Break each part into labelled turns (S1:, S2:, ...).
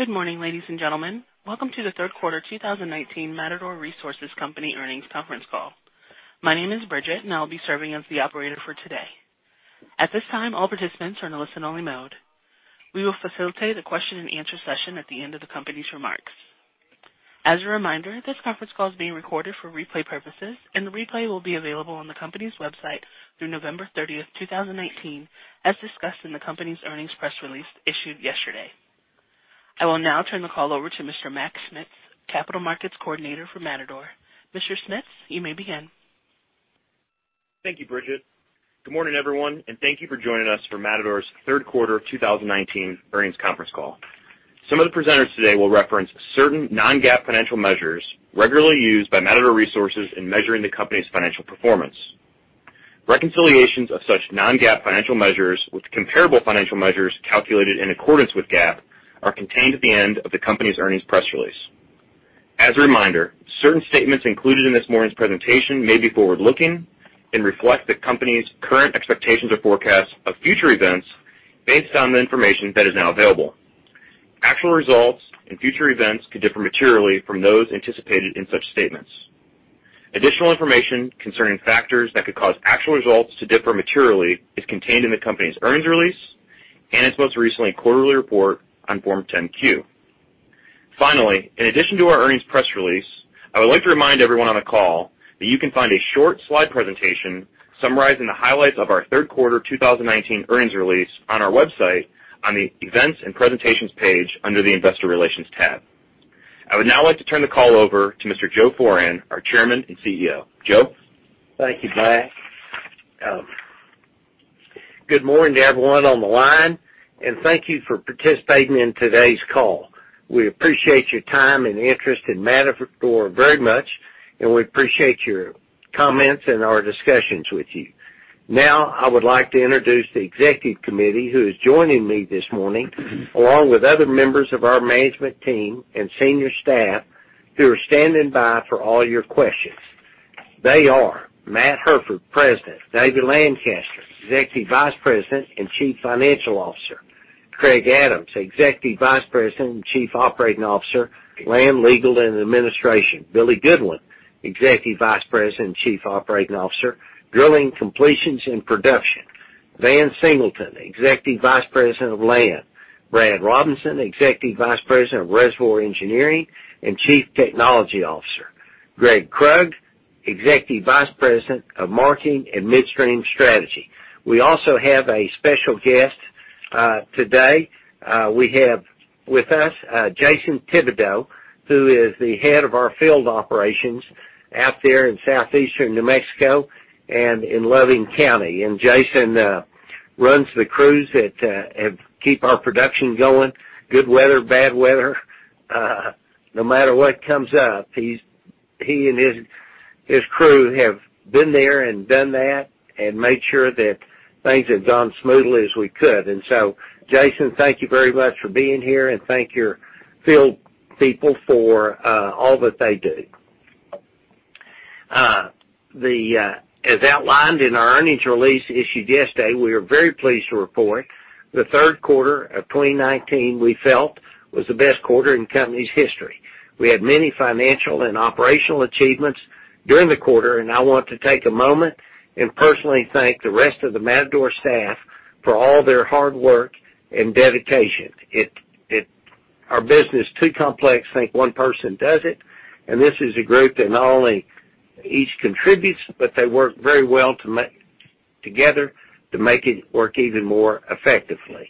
S1: Good morning, ladies and gentlemen. Welcome to the third quarter 2019 Matador Resources Company earnings conference call. My name is Bridget, and I'll be serving as the operator for today. At this time, all participants are in a listen-only mode. We will facilitate a question and answer session at the end of the company's remarks. As a reminder, this conference call is being recorded for replay purposes, and the replay will be available on the company's website through November 30th, 2019, as discussed in the company's earnings press release issued yesterday. I will now turn the call over to Mr. Mac Schmitz, Capital Markets Coordinator for Matador. Mr. Schmitz, you may begin.
S2: Thank you, Bridget. Good morning, everyone, and thank you for joining us for Matador's third quarter 2019 earnings conference call. Some of the presenters today will reference certain non-GAAP financial measures regularly used by Matador Resources in measuring the company's financial performance. Reconciliations of such non-GAAP financial measures with comparable financial measures calculated in accordance with GAAP are contained at the end of the company's earnings press release. As a reminder, certain statements included in this morning's presentation may be forward-looking and reflect the company's current expectations or forecasts of future events based on the information that is now available. Actual results and future events could differ materially from those anticipated in such statements. Additional information concerning factors that could cause actual results to differ materially is contained in the company's earnings release and its most recent quarterly report on Form 10-Q. In addition to our earnings press release, I would like to remind everyone on the call that you can find a short slide presentation summarizing the highlights of our third quarter 2019 earnings release on our website on the Events and Presentations page under the Investor Relations tab. I would now like to turn the call over to Mr. Joe Foran, our Chairman and CEO. Joe?
S3: Thank you, Mac. Good morning to everyone on the line, and thank you for participating in today's call. We appreciate your time and interest in Matador very much, and we appreciate your comments and our discussions with you. Now, I would like to introduce the Executive Committee who is joining me this morning, along with other members of our management team and senior staff who are standing by for all your questions. They are Matt Hufford, President; David Lancaster, Executive Vice President and Chief Financial Officer; Craig Adams, Executive Vice President and Chief Operating Officer, Land, Legal and Administration; Billy Goodwin, Executive Vice President and Chief Operating Officer, Drilling, Completions and Production; Van Singleton, Executive Vice President of Land; Brad Robinson, Executive Vice President of Reservoir Engineering and Chief Technology Officer; Greg Krug, Executive Vice President of Marketing and Midstream Strategy. We also have a special guest today. We have with us Jason Thibodeaux, who is the head of our field operations out there in southeastern New Mexico and in Loving County. Jason runs the crews that keep our production going. Good weather, bad weather, no matter what comes up, he and his crew have been there and done that and made sure that things have gone smoothly as we could. Jason, thank you very much for being here, and thank your field people for all that they do. As outlined in our earnings release issued yesterday, we are very pleased to report the third quarter of 2019, we felt, was the best quarter in the company's history. We had many financial and operational achievements during the quarter, and I want to take a moment and personally thank the rest of the Matador staff for all their hard work and dedication. Our business is too complex to think one person does it, and this is a group that not only each contributes, but they work very well together to make it work even more effectively.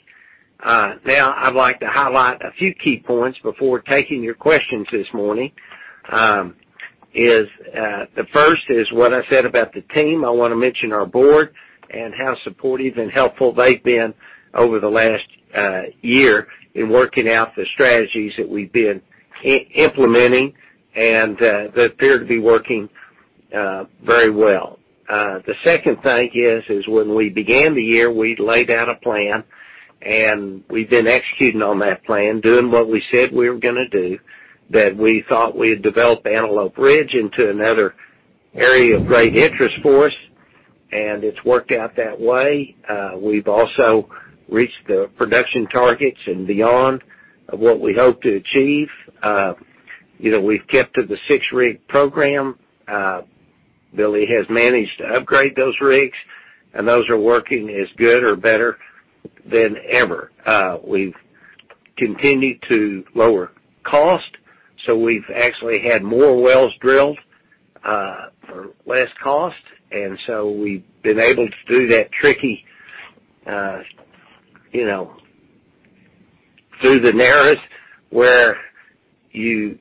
S3: Now, I'd like to highlight a few key points before taking your questions this morning. The first is what I said about the team. I want to mention our board and how supportive and helpful they've been over the last year in working out the strategies that we've been implementing, and they appear to be working very well. The second thing is, when we began the year, we'd laid out a plan, and we've been executing on that plan, doing what we said we were gonna do, that we thought we had developed Antelope Ridge into another area of great interest for us, and it's worked out that way. We've also reached the production targets and beyond of what we hoped to achieve. We've kept to the six-rig program. Billy has managed to upgrade those rigs, and those are working as good or better than ever. We've continued to lower cost, so we've actually had more wells drilled for less cost. We've been able to do that tricky, through the narrows where you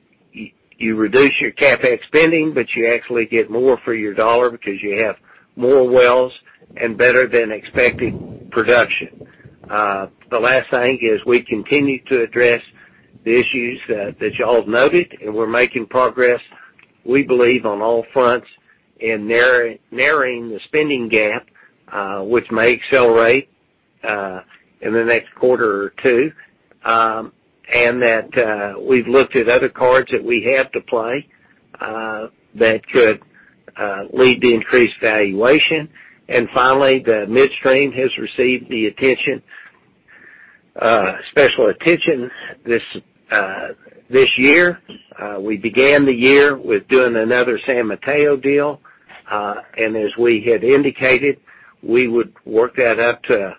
S3: reduce your CapEx spending, but you actually get more for your dollar because you have more wells and better than expected production. The last thing is we continue to address the issues that you all have noted, and we're making progress, we believe, on all fronts in narrowing the spending gap, which may accelerate in the next quarter or two, and that we've looked at other cards that we have to play that could lead to increased valuation. Finally, the midstream has received special attention this year. We began the year with doing another San Mateo deal. As we had indicated, we would work that up to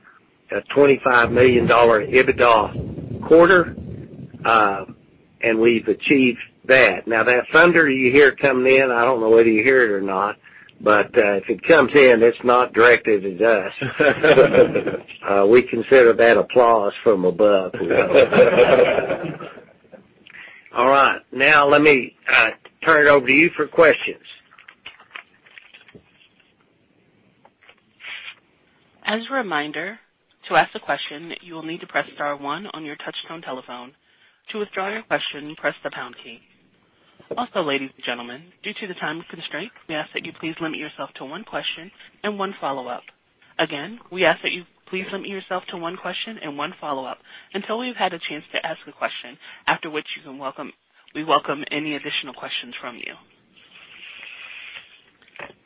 S3: a $25 million EBITDA quarter, and we've achieved that. Now, that thunder you hear coming in, I don't know whether you hear it or not, but if it comes in, it's not directed at us. We consider that applause from above. All right. Now let me turn it over to you for questions.
S1: As a reminder, to ask a question, you will need to press star one on your touchtone telephone. To withdraw your question, press the pound key. Ladies and gentlemen, due to the time constraint, we ask that you please limit yourself to one question and one follow-up. We ask that you please limit yourself to one question and one follow-up until you've had a chance to ask a question, after which we welcome any additional questions from you.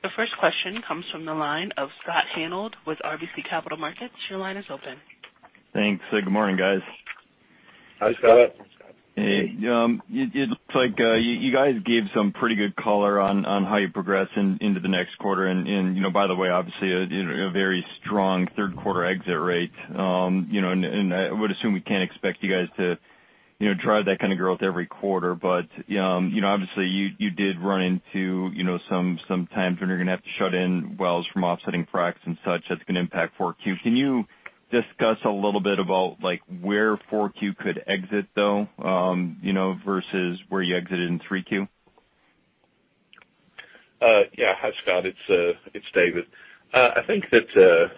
S1: The first question comes from the line of Scott Hanold with RBC Capital Markets. Your line is open.
S4: Thanks. Good morning, guys.
S3: Hi, Scott.
S5: Hi, Scott.
S4: Hey. It looks like you guys gave some pretty good color on how you progress into the next quarter. By the way, obviously, a very strong third quarter exit rate. I would assume we can't expect you guys to drive that kind of growth every quarter. Obviously, you did run into some times when you're going to have to shut in wells from offsetting fracs and such that's going to impact 4Q. Can you discuss a little bit about where 4Q could exit, though, versus where you exited in 3Q?
S5: Hi, Scott. It's David. I think that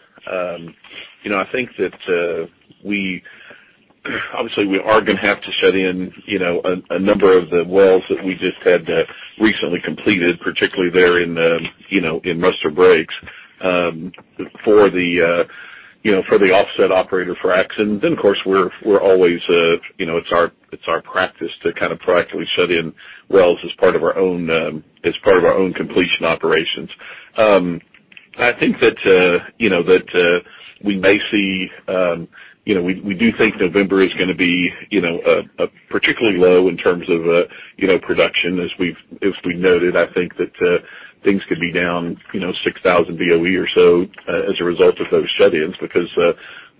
S5: obviously, we are going to have to shut in a number of the wells that we just had recently completed, particularly there in the Rustler Breaks for the offset operator fracs. Then, of course, it's our practice to proactively shut in wells as part of our own completion operations. We do think November is going to be particularly low in terms of production. As we've noted, I think that things could be down 6,000 BOE or so as a result of those shut-ins, because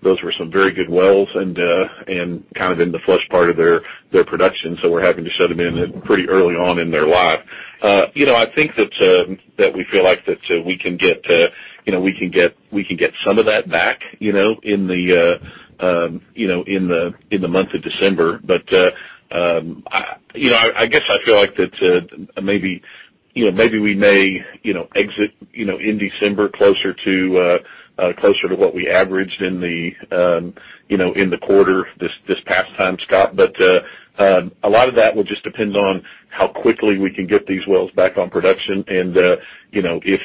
S5: those were some very good wells and in the flush part of their production. We're having to shut them in pretty early on in their life. I think that we feel like that we can get some of that back in the month of December. I guess I feel like that maybe we may exit in December closer to what we averaged in the quarter this past time, Scott. A lot of that will just depend on how quickly we can get these wells back on production and if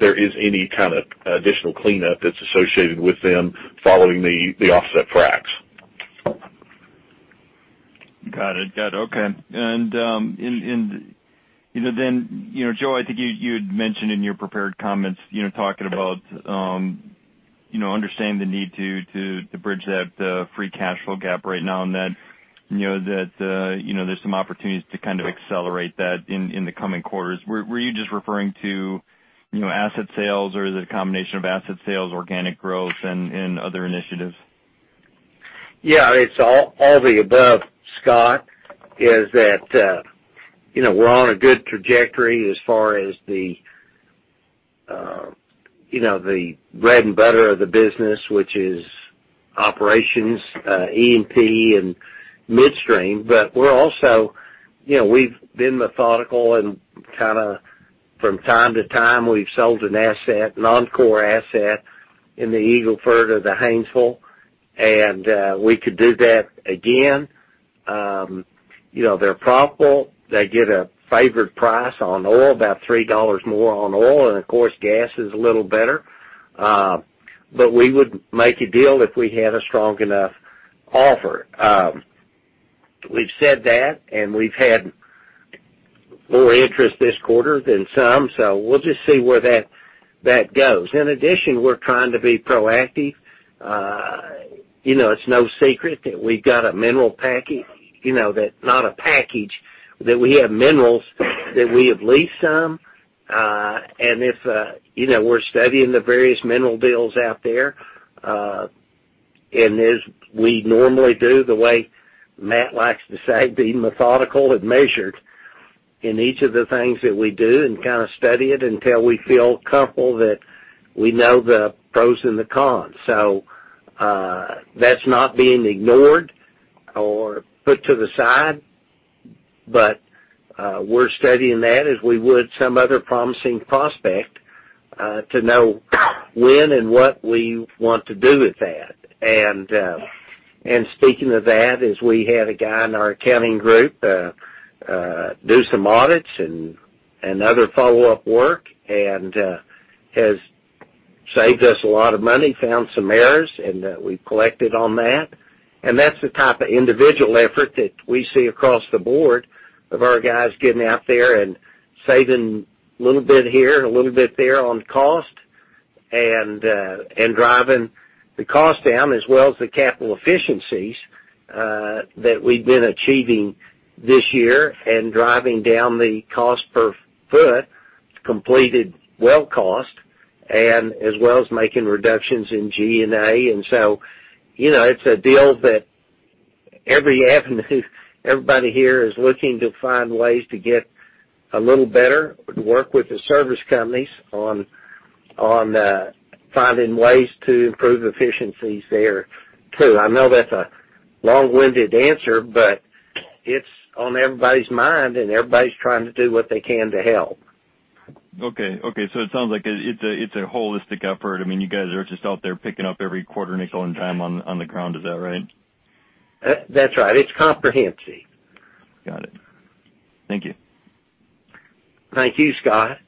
S5: there is any kind of additional cleanup that's associated with them following the offset fracs.
S4: Got it. Okay. Joe, I think you had mentioned in your prepared comments, talking about understanding the need to bridge that free cash flow gap right now, and that there's some opportunities to accelerate that in the coming quarters. Were you just referring to asset sales, or is it a combination of asset sales, organic growth, and other initiatives?
S3: Yeah. It's all the above, Scott. We're on a good trajectory as far as the bread and butter of the business, which is operations, E&P, and midstream. We've been methodical and from time to time, we've sold an asset, non-core asset in the Eagle Ford or the Haynesville, and we could do that again. They're profitable. They get a favored price on oil, about $3 more on oil, and of course, gas is a little better. We would make a deal if we had a strong enough offer. We've said that, and we've had more interest this quarter than some, so we'll just see where that goes. In addition, we're trying to be proactive. It's no secret that we've got minerals, that we have leased some. We're studying the various mineral deals out there. As we normally do, the way Matt likes to say, be methodical and measured in each of the things that we do and study it until we feel comfortable that we know the pros and the cons. That's not being ignored or put to the side. We're studying that as we would some other promising prospect, to know when and what we want to do with that. Speaking of that, as we had a guy in our accounting group do some audits and other follow-up work, has saved us a lot of money, found some errors, and we've collected on that. That's the type of individual effort that we see across the board of our guys getting out there and saving a little bit here and a little bit there on cost, and driving the cost down, as well as the capital efficiencies that we've been achieving this year, and driving down the cost per foot, completed well cost, and as well as making reductions in G&A. It's a deal that every avenue, everybody here is looking to find ways to get a little better, work with the service companies on finding ways to improve efficiencies there too. I know that's a long-winded answer, but it's on everybody's mind, and everybody's trying to do what they can to help.
S4: Okay. It sounds like it's a holistic effort. You guys are just out there picking up every quarter nickel and dime on the ground. Is that right?
S3: That's right. It's comprehensive.
S4: Got it. Thank you.
S3: Thank you, Scott.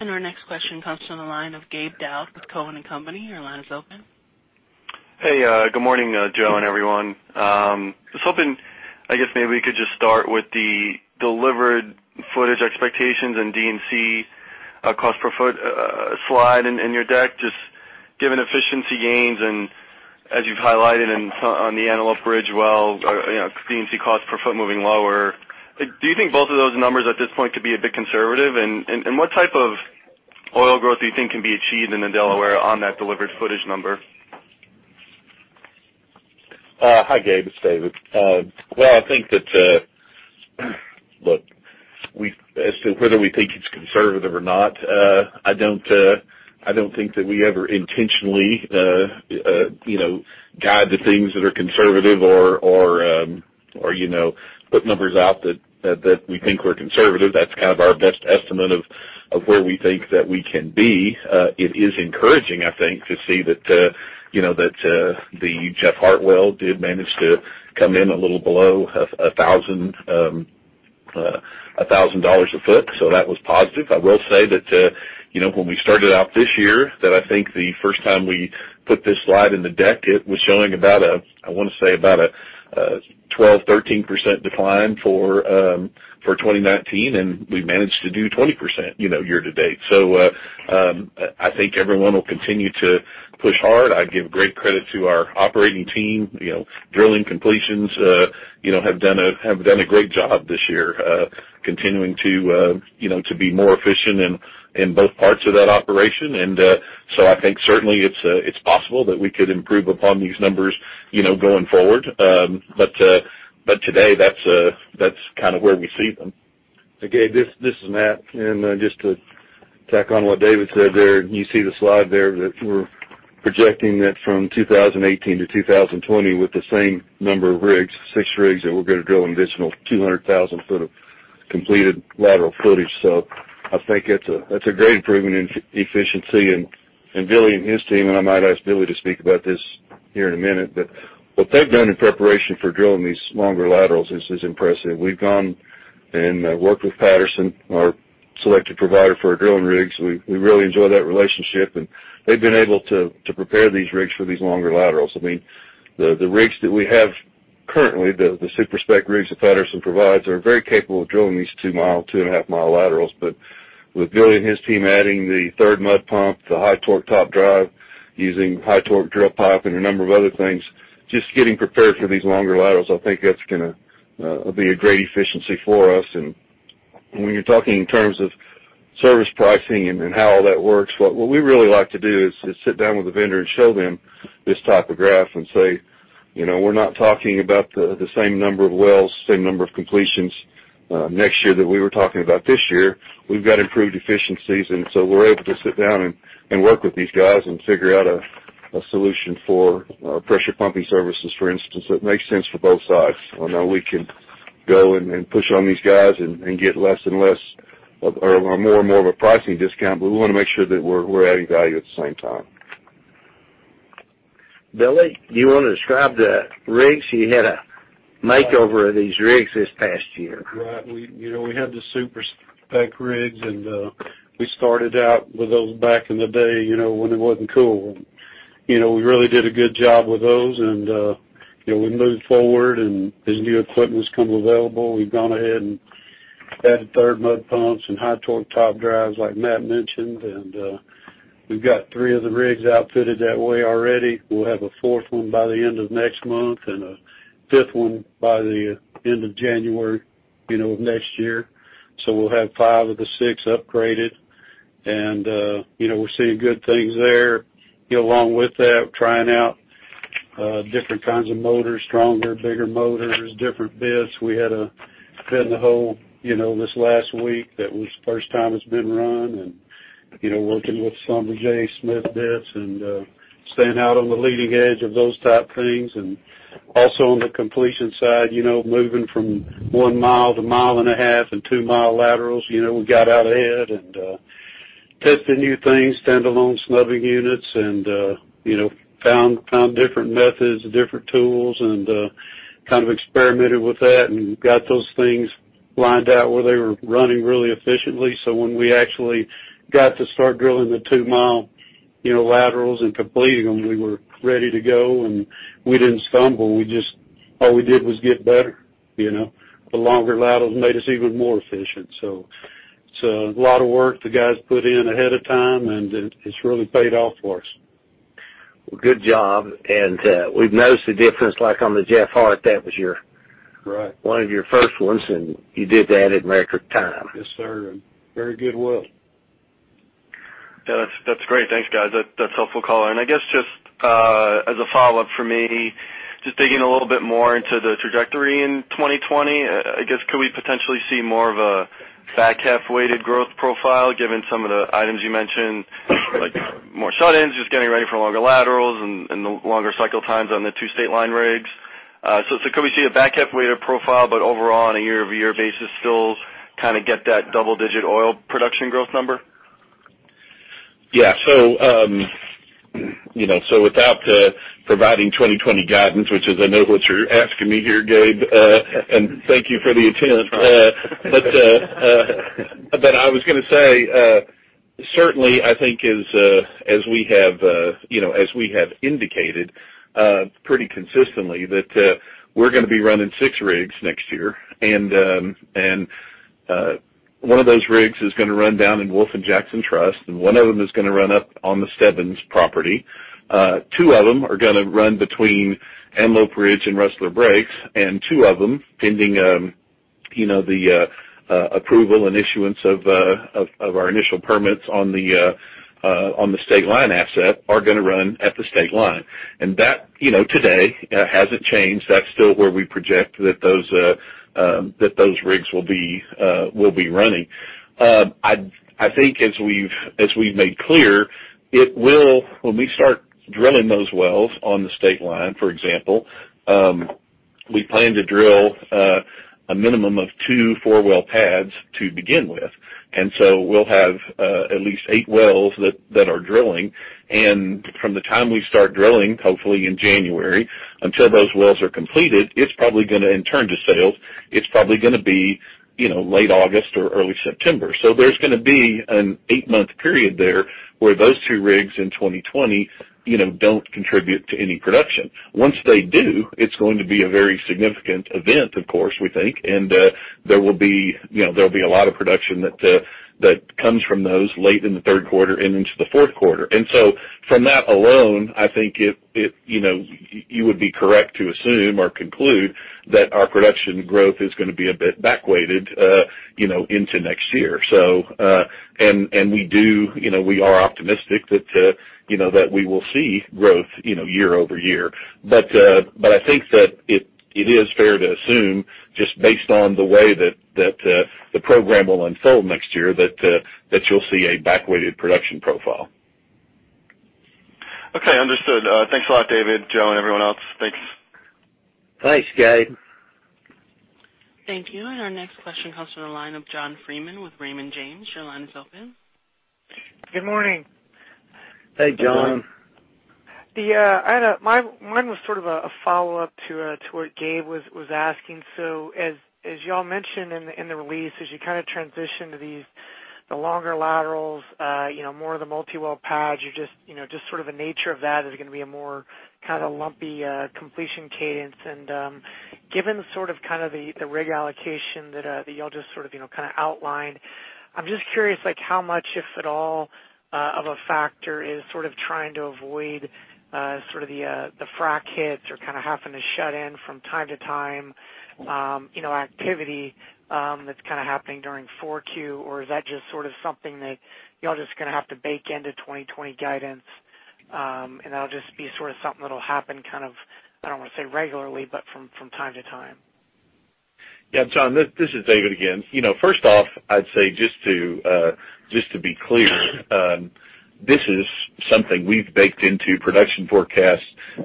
S1: Our next question comes from the line of Gabe Daoud with Cowen and Company. Your line is open.
S6: Hey, good morning, Joe and everyone. Just hoping, I guess maybe we could just start with the delivered footage expectations and D&C cost per foot slide in your deck, just given efficiency gains and as you've highlighted on the Antelope Ridge Well, D&C cost per foot moving lower. Do you think both of those numbers at this point could be a bit conservative, and what type of oil growth do you think can be achieved in the Delaware on that delivered footage number?
S5: Hi, Gabe, it's David. I think Look, as to whether we think it's conservative or not, I don't think that we ever intentionally guide to things that are conservative or put numbers out that we think were conservative. That's our best estimate of where we think that we can be. It is encouraging, I think, to see that the Jeff Hartwell did manage to come in a little below $1,000 a foot. That was positive. I will say that when we started out this year, that I think the first time we put this slide in the deck, it was showing I want to say about a 12%-13% decline for 2019, and we managed to do 20% year to date. I think everyone will continue to push hard. I give great credit to our operating team. Drilling completions have done a great job this year, continuing to be more efficient in both parts of that operation. I think certainly it's possible that we could improve upon these numbers going forward. Today that's where we see them.
S7: Gabe, this is Matt. Just to tack on what David said there, you see the slide there that we're projecting that from 2018 to 2020 with the same number of rigs, six rigs, that we're going to drill an additional 200,000 feet of completed lateral footage. I think that's a great improvement in efficiency. Billy and his team, and I might ask Billy to speak about this here in a minute, but what they've done in preparation for drilling these longer laterals is impressive. We've gone and worked with Patterson, our selected provider for our drilling rigs. We really enjoy that relationship, and they've been able to prepare these rigs for these longer laterals. The rigs that we have currently, the super spec rigs that Patterson provides, are very capable of drilling these two mile, two and a half mile laterals. With Billy and his team adding the third mud pump, the high torque top drive, using high torque drill pipe and a number of other things, just getting prepared for these longer laterals, I think that's going to be a great efficiency for us. When you're talking in terms of service pricing and how all that works, what we really like to do is sit down with the vendor and show them this type of graph and say, "We're not talking about the same number of wells, same number of completions next year that we were talking about this year. We've got improved efficiencies," we're able to sit down and work with these guys and figure out a solution for pressure pumping services, for instance, that makes sense for both sides. I know we can go and push on these guys and get less and less or more and more of a pricing discount, but we want to make sure that we're adding value at the same time.
S3: Billy, do you want to describe the rigs? You had a makeover of these rigs this past year.
S8: Right. We had the super spec rigs, we started out with those back in the day, when it wasn't cool. We really did a good job with those, we moved forward, as new equipment's come available, we've gone ahead and added third mud pumps and high torque top drives, like Matt mentioned. We've got three of the rigs outfitted that way already. We'll have a fourth one by the end of next month and a fifth one by the end of January of next year. We'll have five of the six upgraded. We're seeing good things there, along with that, trying out different kinds of motors, stronger, bigger motors, different bits. We had a spin the hole this last week that was the first time it's been run, working with some of Smith Bits bits and staying out on the leading edge of those type things. Also on the completion side, moving from one mile to a mile and a half and two-mile laterals. We got out ahead and tested new things, standalone snubbing units, and found different methods, different tools. Kind of experimented with that and got those things lined up where they were running really efficiently. When we actually got to start drilling the two-mile laterals and completing them, we were ready to go, and we didn't stumble. All we did was get better. The longer laterals made us even more efficient. It's a lot of work the guys put in ahead of time, and it's really paid off for us.
S3: Good job. We've noticed the difference, like on the Jeff Hart.
S8: Right.
S3: -one of your first ones, and you did that in record time.
S8: Yes, sir. Very good well.
S6: Yeah, that's great. Thanks, guys. That's helpful color. I guess just as a follow-up from me, just digging a little bit more into the trajectory in 2020, I guess could we potentially see more of a back-half weighted growth profile given some of the items you mentioned, like more shut-ins, just getting ready for longer laterals and the longer cycle times on the two State Line rigs. Could we see a back-half weighted profile, but overall, on a year-over-year basis, still get that double-digit oil production growth number?
S5: Without providing 2020 guidance, which is I know what you're asking me here, Gabe, and thank you for the attempt. I was going to say, certainly, I think as we have indicated pretty consistently, that we're going to be running 6 rigs next year. 1 of those rigs is going to run down in Wolf and Jackson Trust, and 1 of them is going to run up on the Stebbins property. 2 of them are going to run between Antelope Ridge and Rustler Breaks, and 2 of them, pending the approval and issuance of our initial permits on the State Line asset, are going to run at the State Line. That today hasn't changed. That's still where we project that those rigs will be running. I think as we've made clear, when we start drilling those wells on the State Line, for example, we plan to drill a minimum of two 4-well pads to begin with. We'll have at least eight wells that are drilling. From the time we start drilling, hopefully in January, until those wells are completed, and turned to sales, it's probably going to be late August or early September. There's going to be an eight-month period there where those two rigs in 2020 don't contribute to any production. Once they do, it's going to be a very significant event, of course, we think, and there will be a lot of production that comes from those late in the third quarter and into the fourth quarter. From that alone, I think you would be correct to assume or conclude that our production growth is going to be a bit back weighted into next year. We are optimistic that we will see growth year-over-year. I think that it is fair to assume, just based on the way that the program will unfold next year, that you'll see a back-weighted production profile.
S6: Okay. Understood. Thanks a lot, David, Joe, and everyone else. Thanks.
S3: Thanks, Gabe.
S1: Thank you. Our next question comes from the line of John Freeman with Raymond James. Your line is open.
S9: Good morning.
S3: Hey, John.
S9: Mine was sort of a follow-up to what Gabe was asking. As you all mentioned in the release, as you transition to the longer laterals, more of the multi-well pads, just sort of the nature of that is going to be a more lumpy completion cadence. Given the rig allocation that you all just outlined, I'm just curious how much, if at all, of a factor is trying to avoid the frack hits or having to shut in from time to time activity that's happening during 4Q, or is that just something that you all just going to have to bake into 2020 guidance, and that'll just be something that'll happen kind of, I don't want to say regularly, but from time to time?
S5: Yeah. John, this is David again. First off, I'd say just to be clear, this is something we've baked into production forecasts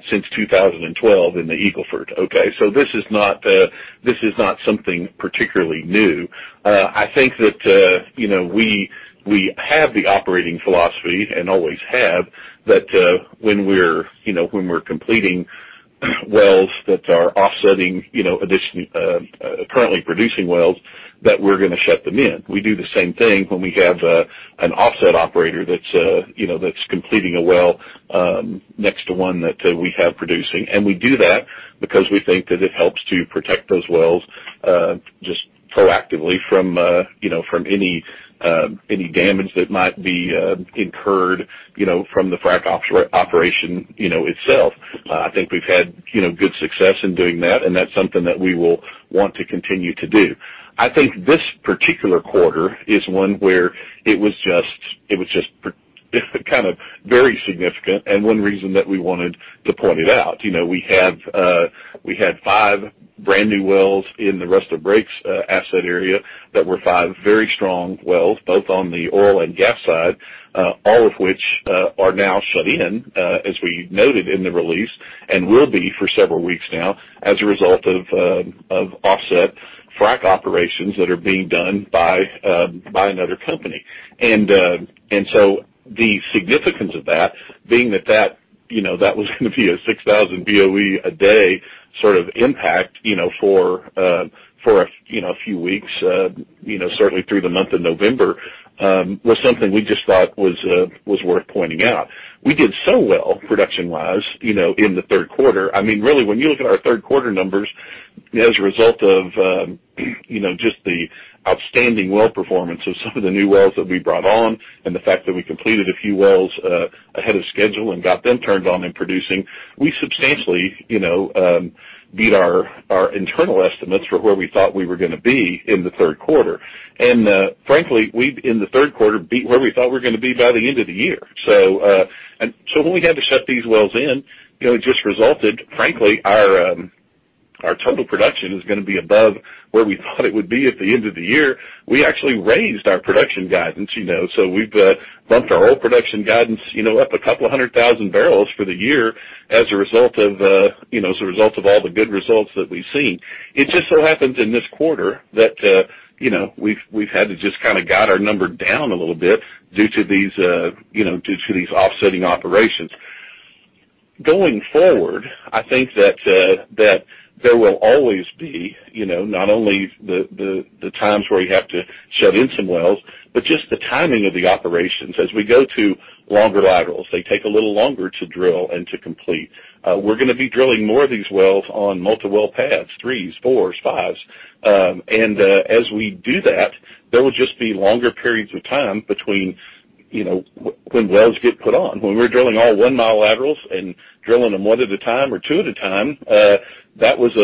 S5: since 2012 in the Eagle Ford, okay? This is not something particularly new. I think that we have the operating philosophy, and always have, that when we're completing wells that are offsetting currently producing wells, that we're going to shut them in. We do the same thing when we have an offset operator that's completing a well next to one that we have producing. We do that because we think that it helps to protect those wells just proactively from any damage that might be incurred from the frack operation itself. I think we've had good success in doing that, and that's something that we will want to continue to do. I think this particular quarter is one where it was just very significant, and one reason that we wanted to point it out. We had five brand-new wells in the Rustler Breaks asset area that were five very strong wells, both on the oil and gas side, all of which are now shut in, as we noted in the release, and will be for several weeks now as a result of offset frack operations that are being done by another company. The significance of that being that was going to be a 6,000 BOE a day impact for a few weeks, certainly through the month of November, was something we just thought was worth pointing out. We did so well production-wise in the third quarter. Really, when you look at our third quarter numbers as a result of just the outstanding well performance of some of the new wells that we brought on and the fact that we completed a few wells ahead of schedule and got them turned on and producing, we substantially beat our internal estimates for where we thought we were going to be in the third quarter. Frankly, we, in the third quarter, beat where we thought we were going to be by the end of the year. When we had to shut these wells in, it just resulted, frankly, our total production is going to be above where we thought it would be at the end of the year. We actually raised our production guidance. We've bumped our old production guidance up 200,000 barrels for the year as a result of all the good results that we've seen. It just so happens in this quarter that we've had to just guide our number down a little bit due to these offsetting operations. Going forward, I think that there will always be not only the times where you have to shut in some wells, but just the timing of the operations. As we go to longer laterals, they take a little longer to drill and to complete. We're going to be drilling more of these wells on multi-well pads, three, four, five. As we do that, there will just be longer periods of time between when wells get put on. When we're drilling all one-mile laterals and drilling them one at a time or two at a time, there was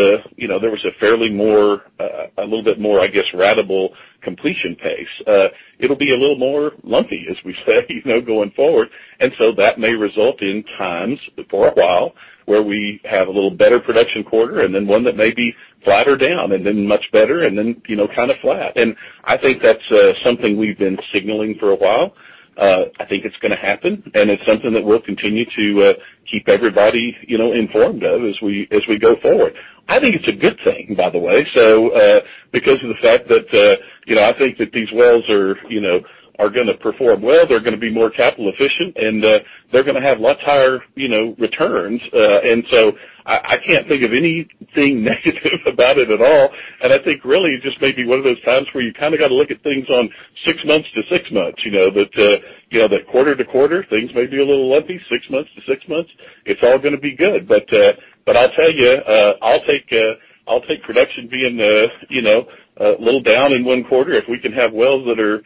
S5: a fairly more, a little bit more, I guess, ratable completion pace. It'll be a little more lumpy, as we say going forward, that may result in times for a while where we have a little better production quarter and then one that may be flatter down and then much better, and then flat. I think that's something we've been signaling for a while. I think it's going to happen, and it's something that we'll continue to keep everybody informed of as we go forward. I think it's a good thing, by the way. Because of the fact that I think that these wells are going to perform well, they're going to be more capital efficient and they're going to have lots higher returns. I can't think of anything negative about it at all. I think really it just may be one of those times where you got to look at things on six months to six months. That quarter to quarter, things may be a little lumpy. Six months to six months, it's all going to be good. I'll tell you, I'll take production being a little down in one quarter if we can have wells that are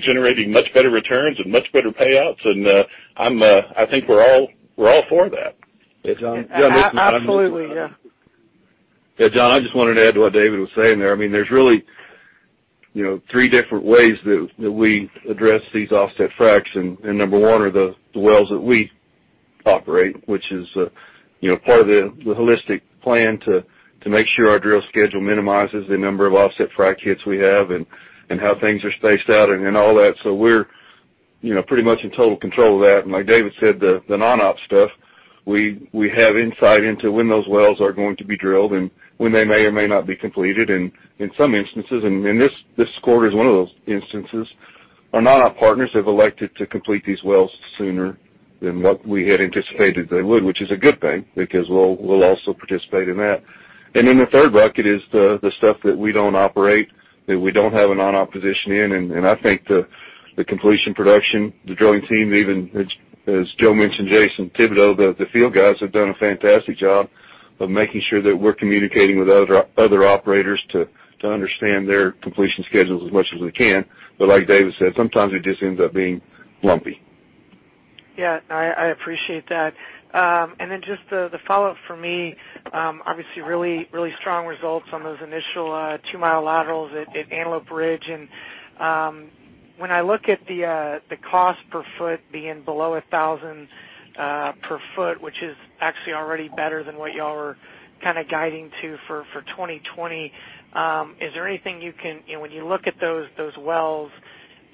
S5: generating much better returns and much better payouts, and I think we're all for that.
S7: John,
S9: Absolutely, yeah.
S7: Yeah, John, I just wanted to add to what David was saying there. There's really three different ways that we address these offset fracs. Number one are the wells that we operate, which is part of the holistic plan to make sure our drill schedule minimizes the number of offset frac hits we have and how things are spaced out and all that. We're pretty much in total control of that. Like David said, the non-op stuff, we have insight into when those wells are going to be drilled and when they may or may not be completed. In some instances, and this quarter is one of those instances, our non-op partners have elected to complete these wells sooner than what we had anticipated they would, which is a good thing because we'll also participate in that. Then the third bucket is the stuff that we don't operate, that we don't have a non-op position in, and I think the completion production, the drilling team, even as Joe mentioned Jason Thibodeaux, the field guys have done a fantastic job of making sure that we're communicating with other operators to understand their completion schedules as much as we can. Like David said, sometimes it just ends up being lumpy.
S9: Yeah. I appreciate that. Just the follow-up for me, obviously really strong results on those initial two-mile laterals at Antelope Ridge. When I look at the cost per foot being below $1,000 per foot, which is actually already better than what y'all were guiding to for 2020, is there anything, when you look at those wells,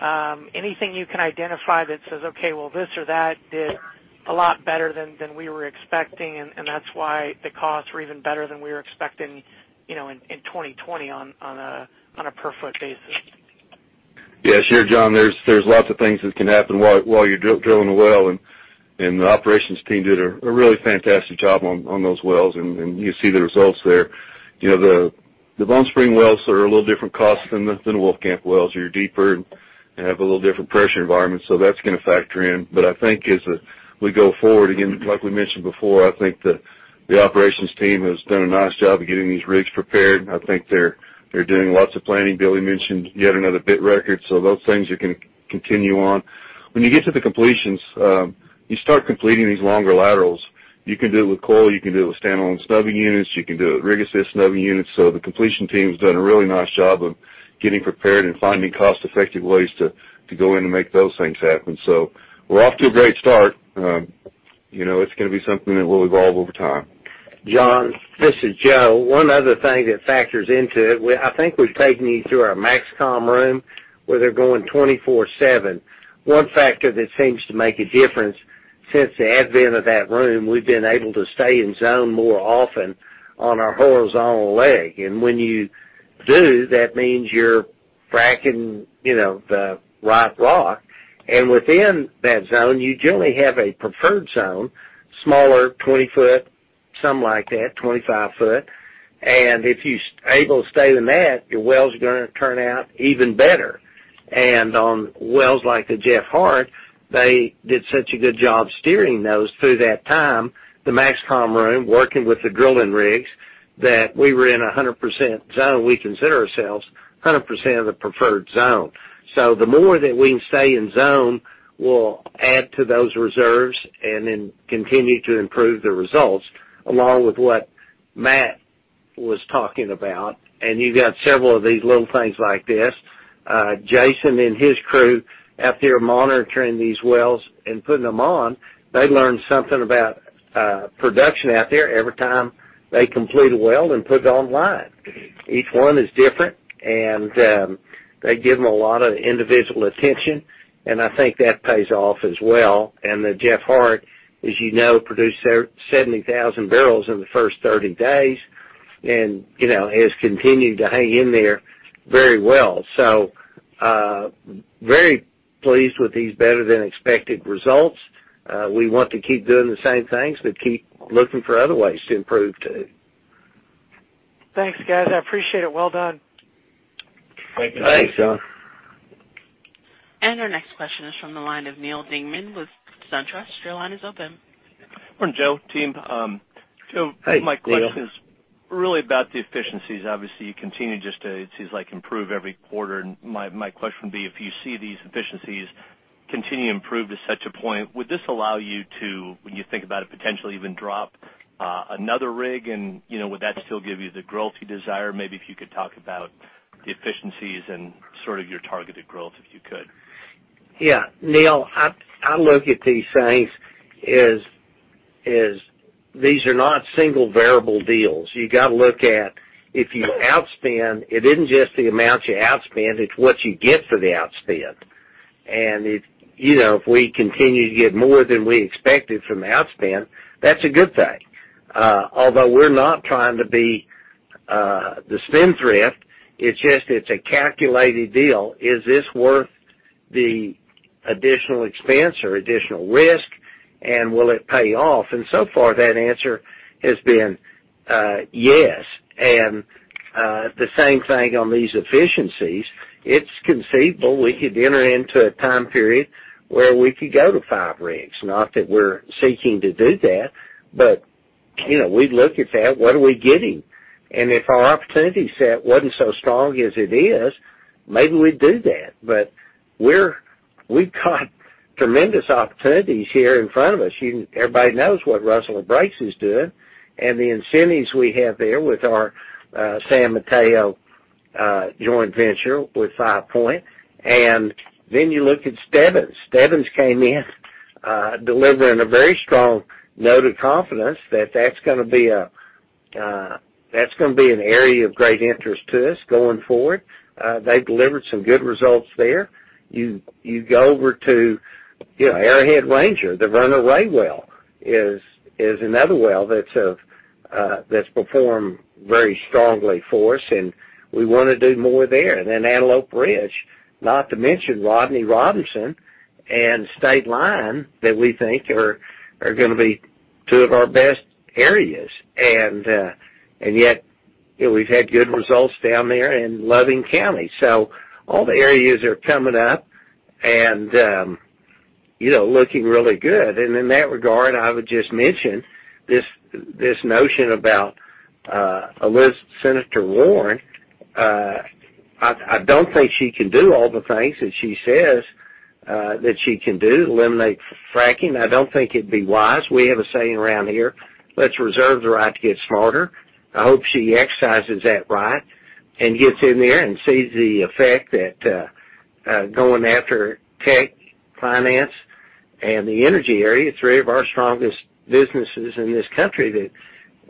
S9: you can identify that says, "Okay, well, this or that did a lot better than we were expecting, and that's why the costs were even better than we were expecting in 2020 on a per foot basis?
S7: Yeah, sure, John. There's lots of things that can happen while you're drilling a well, and the operations team did a really fantastic job on those wells, and you see the results there. The Bone Spring wells are a little different cost than the Wolfcamp wells. They're deeper and have a little different pressure environment, that's going to factor in. I think as we go forward, again, like we mentioned before, I think the operations team has done a nice job of getting these rigs prepared. I think they're doing lots of planning. Billy mentioned yet another bit record. Those things are going to continue on. When you get to the completions, you start completing these longer laterals. You can do it with coil, you can do it with standalone snubbing units, you can do it with rig assist snubbing units. The completion team's done a really nice job of getting prepared and finding cost-effective ways to go in and make those things happen. We're off to a great start. It's going to be something that will evolve over time.
S3: John, this is Joe. One other thing that factors into it, I think we've taken you through our MAXCOM room, where they're going 24/7. One factor that seems to make a difference since the advent of that room, we've been able to stay in zone more often on our horizontal leg. When you do, that means you're fracking, the right rock. Within that zone, you generally have a preferred zone, smaller, 20 foot, something like that, 25 foot. If you are able to stay in that, your wells are going to turn out even better. On wells like the Jeff Hart, they did such a good job steering those through that time, the MAXCOM room, working with the drilling rigs, that we were in 100% zone. We consider ourselves 100% of the preferred zone. The more that we can stay in zone will add to those reserves and then continue to improve the results along with what Matt was talking about, and you've got several of these little things like this. Jason and his crew out there monitoring these wells and putting them on, they learn something about production out there every time they complete a well and put it online. Each one is different, and they give them a lot of individual attention, and I think that pays off as well. The Jeff Hart, as you know, produced 70,000 barrels in the first 30 days, and has continued to hang in there very well. Very pleased with these better-than-expected results. We want to keep doing the same things, but keep looking for other ways to improve too.
S9: Thanks, guys. I appreciate it. Well done.
S3: Thank you.
S7: Thanks, John.
S1: Our next question is from the line of Neal Dingmann with SunTrust. Your line is open.
S10: Morning, Joe, team.
S3: Hey, Neal.
S10: My question's really about the efficiencies. Obviously, you continue just to, it seems like, improve every quarter, and my question would be, if you see these efficiencies continue to improve to such a point, would this allow you to, when you think about it, potentially even drop another rig, and would that still give you the growth you desire? Maybe if you could talk about the efficiencies and sort of your targeted growth, if you could.
S3: Yeah. Neal, I look at these things as these are not single variable deals. You got to look at if you outspend, it isn't just the amount you outspend, it's what you get for the outspend. If we continue to get more than we expected from the outspend, that's a good thing. Although we're not trying to be the spendthrift, it's just it's a calculated deal. Is this worth the additional expense or additional risk, and will it pay off? So far, that answer has been yes. The same thing on these efficiencies. It's conceivable we could enter into a time period where we could go to five rigs. Not that we're seeking to do that, but we'd look at that, what are we getting? If our opportunity set wasn't so strong as it is, maybe we'd do that. We've got tremendous opportunities here in front of us. Everybody knows what Rustler Breaks is doing, and the incentives we have there with our San Mateo joint venture with Five Point. You look at Stebbins. Stebbins came in delivering a very strong note of confidence that that's gonna be an area of great interest to us going forward. They've delivered some good results there. You go over to Arrowhead Ranger, the Verner Ray well is another well that's performed very strongly for us, and we wanna do more there. Antelope Ridge, not to mention Rodney Robinson and State Line, that we think are gonna be two of our best areas. Yet, we've had good results down there in Loving County. All the areas are coming up and looking really good. In that regard, I would just mention this notion about Senator Warren. I don't think she can do all the things that she says that she can do. Eliminate fracking, I don't think it'd be wise. We have a saying around here, "Let's reserve the right to get smarter." I hope she exercises that right and gets in there and sees the effect that going after tech, finance, and the energy area, three of our strongest businesses in this country,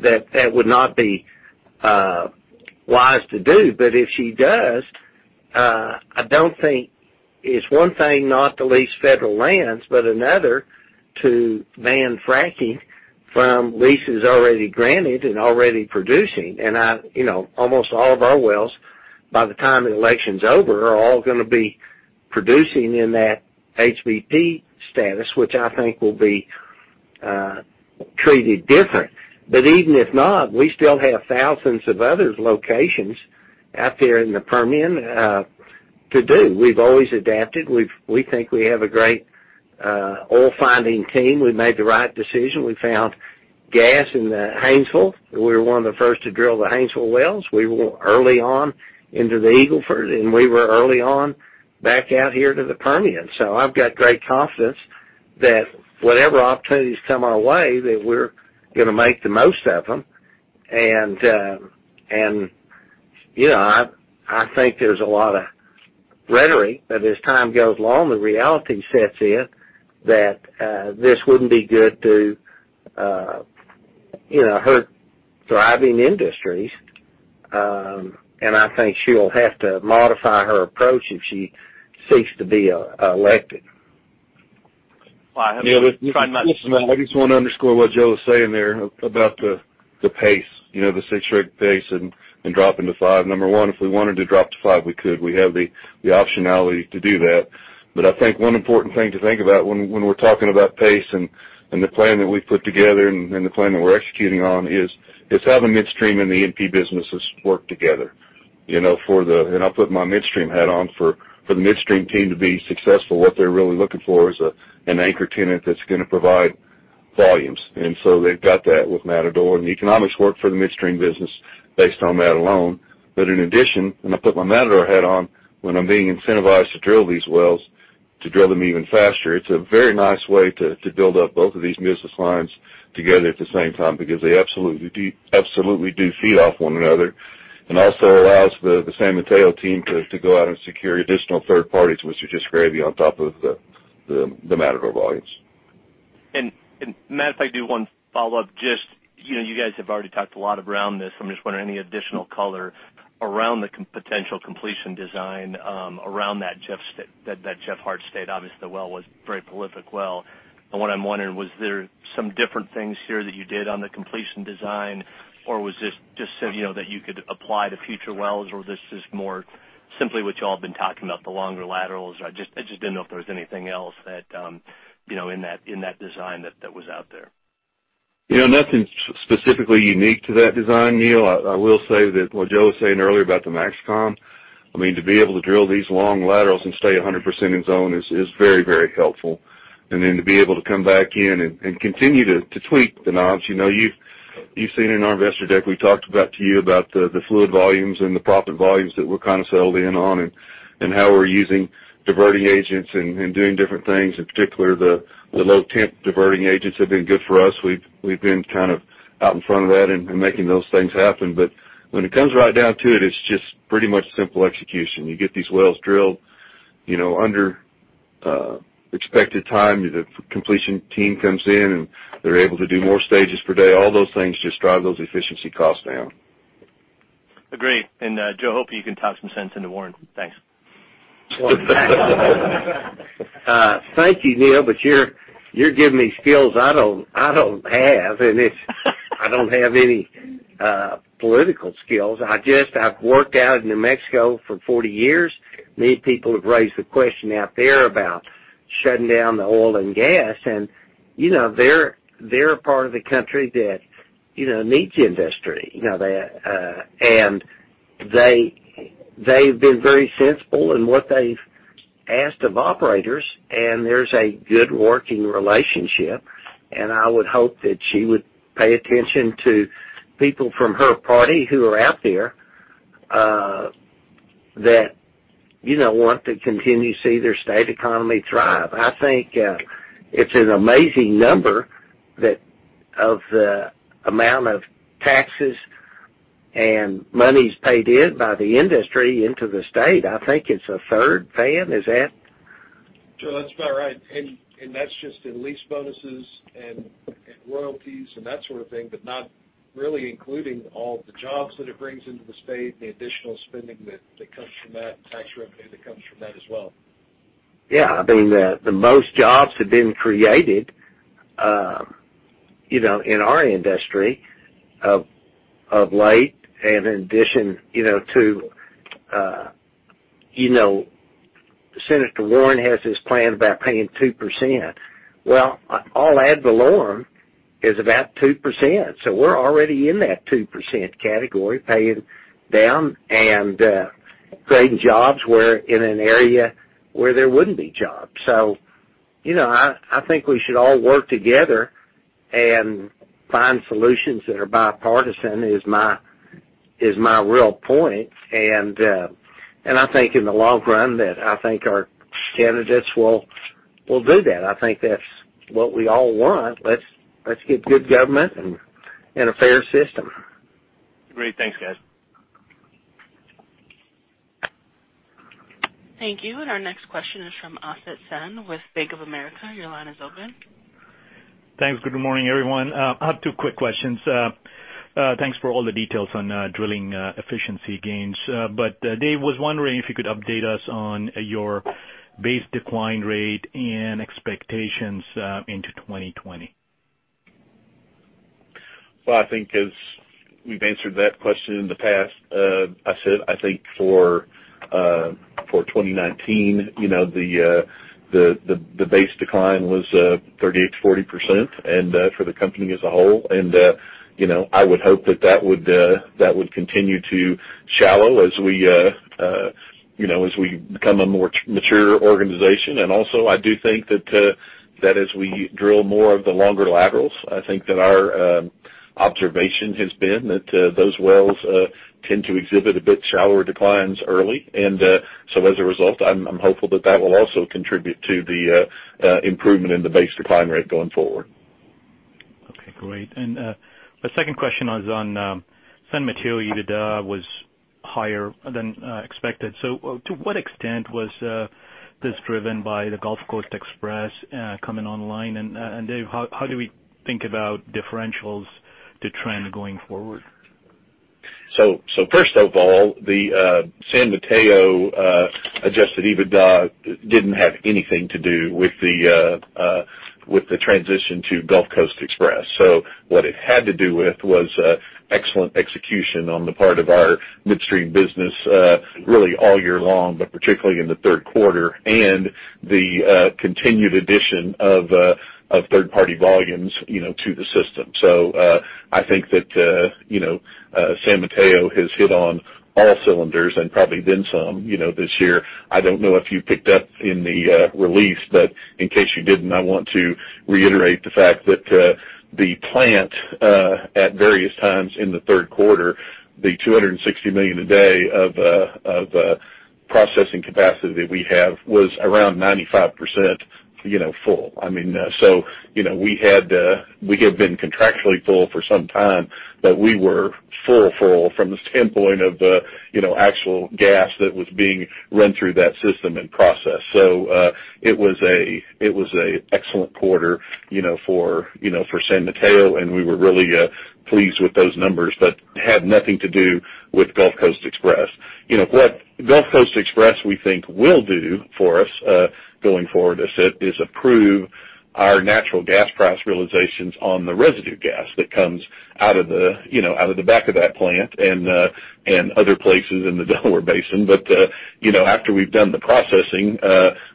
S3: that that would not be wise to do. If she does, it's one thing not to lease federal lands, but another to ban fracking from leases already granted and already producing. Almost all of our wells, by the time the election's over, are all gonna be producing in that HBP status, which I think will be treated different. Even if not, we still have thousands of other locations out there in the Permian to do. We've always adapted. We think we have a great oil-finding team. We made the right decision. We found gas in the Haynesville. We were one of the first to drill the Haynesville wells. We were early on into the Eagle Ford, and we were early on back out here to the Permian. I've got great confidence that whatever opportunities come our way, that we're gonna make the most of them. I think there's a lot of rhetoric. As time goes along, the reality sets in that this wouldn't be good to her thriving industries. I think she'll have to modify her approach if she seeks to be elected.
S7: Neal, I just want to underscore what Joe was saying there about the pace, the six-rig pace and dropping to five. Number one, if we wanted to drop to five, we could. We have the optionality to do that. I think one important thing to think about when we're talking about pace and the plan that we've put together and the plan that we're executing on is having midstream and the E&P businesses work together. I'll put my midstream hat on. For the midstream team to be successful, what they're really looking for is an anchor tenant that's going to provide volumes. They've got that with Matador, and the economics work for the midstream business based on that alone. In addition, when I put my Matador hat on, when I'm being incentivized to drill these wells, to drill them even faster, it's a very nice way to build up both of these business lines together at the same time, because they absolutely do feed off one another, and also allows the San Mateo team to go out and secure additional third parties, which are just gravy on top of the Matador volumes.
S10: Matt, if I could do one follow-up, you guys have already talked a lot around this, so I'm just wondering any additional color around the potential completion design around that Jeff Hart State. Obviously, the well was very prolific. What I'm wondering, was there some different things here that you did on the completion design, or was this just so you know that you could apply to future wells? Or this is more simply what you all have been talking about, the longer laterals? I just didn't know if there was anything else in that design that was out there.
S7: Nothing specifically unique to that design, Neal. I will say that what Joe was saying earlier about the MAXCOM, to be able to drill these long laterals and stay 100% in zone is very helpful. To be able to come back in and continue to tweak the knobs. You've seen in our investor deck, we talked to you about the fluid volumes and the proppant volumes that we're kind of settled in on, and how we're using diverting agents and doing different things. In particular, the low temp diverting agents have been good for us. We've been out in front of that and making those things happen. When it comes right down to it's just pretty much simple execution. You get these wells drilled under expected time. The completion team comes in, and they're able to do more stages per day. All those things just drive those efficiency costs down.
S10: Agree. Joe, hopefully you can talk some sense into Warren. Thanks.
S3: Thank you, Neal, you're giving me skills I don't have. I don't have any political skills. I've worked out in New Mexico for 40 years. Many people have raised the question out there about shutting down the oil and gas, and they're a part of the country that needs the industry. They've been very sensible in what they've asked of operators, and there's a good working relationship, and I would hope that she would pay attention to people from her party who are out there that want to continue to see their state economy thrive. I think it's an amazing number of the amount of taxes and monies paid in by the industry into the state. I think it's a third, Van, is that?
S11: Joe, that's about right. That's just in lease bonuses and royalties and that sort of thing, but not really including all the jobs that it brings into the state and the additional spending that comes from that, and tax revenue that comes from that as well.
S3: Yeah. The most jobs have been created in our industry of late, in addition to Senator Warren has this plan about paying 2%. Well, all ad valorem is about 2%, we're already in that 2% category, paying down and creating jobs in an area where there wouldn't be jobs. I think we should all work together and find solutions that are bipartisan is my real point. I think in the long run that I think our candidates will do that. I think that's what we all want. Let's get good government and a fair system.
S10: Great. Thanks, guys.
S1: Thank you. Our next question is from Asad Khan with Bank of America. Your line is open.
S12: Thanks. Good morning, everyone. I have two quick questions. Thanks for all the details on drilling efficiency gains. Dave, was wondering if you could update us on your base decline rate and expectations into 2020?
S5: Well, I think as we've answered that question in the past, Asad, I think for 2019, the base decline was 38%-40% for the company as a whole. I would hope that would continue to shallow as we become a more mature organization. Also, I do think that as we drill more of the longer laterals, I think that our observation has been that those wells tend to exhibit a bit shallower declines early. As a result, I'm hopeful that that will also contribute to the improvement in the base decline rate going forward.
S12: Okay, great. My second question was on San Mateo EBITDA was higher than expected. To what extent was this driven by the Gulf Coast Express coming online? Dave, how do we think about differentials to trend going forward?
S5: First of all, the San Mateo adjusted EBITDA didn't have anything to do with the transition to Gulf Coast Express. What it had to do with was excellent execution on the part of our midstream business, really all year long, but particularly in the third quarter, and the continued addition of third-party volumes to the system. I think that San Mateo has hit on all cylinders and probably then some this year. I don't know if you picked up in the release, but in case you didn't, I want to reiterate the fact that the plant at various times in the third quarter, the 260 million a day of processing capacity that we have was around 95% full. We have been contractually full for some time, but we were full from the standpoint of actual gas that was being run through that system and processed. It was an excellent quarter for San Mateo, and we were really pleased with those numbers, but had nothing to do with Gulf Coast Express. What Gulf Coast Express we think will do for us, going forward, is improve our natural gas price realizations on the residue gas that comes out of the back of that plant and other places in the Delaware Basin. After we've done the processing,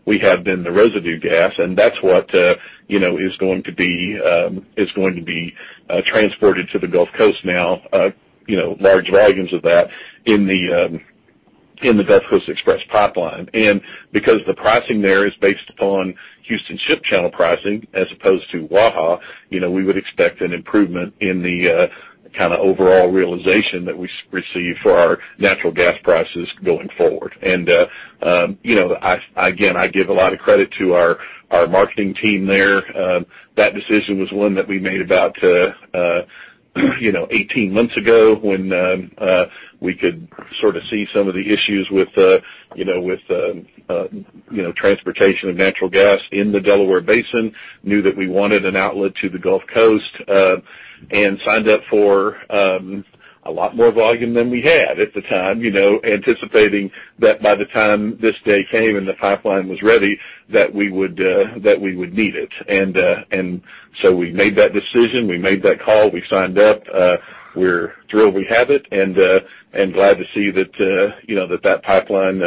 S5: we have then the residue gas, and that's what is going to be transported to the Gulf Coast now, large volumes of that in the Gulf Coast Express Pipeline. Because the pricing there is based upon Houston Ship Channel pricing as opposed to Waha, we would expect an improvement in the overall realization that we receive for our natural gas prices going forward. Again, I give a lot of credit to our marketing team there. That decision was one that we made about 18 months ago when we could sort of see some of the issues with transportation of natural gas in the Delaware Basin, knew that we wanted an outlet to the Gulf Coast, signed up for a lot more volume than we had at the time, anticipating that by the time this day came and the pipeline was ready, that we would need it. We made that decision. We made that call. We signed up. We're thrilled we have it, and glad to see that that pipeline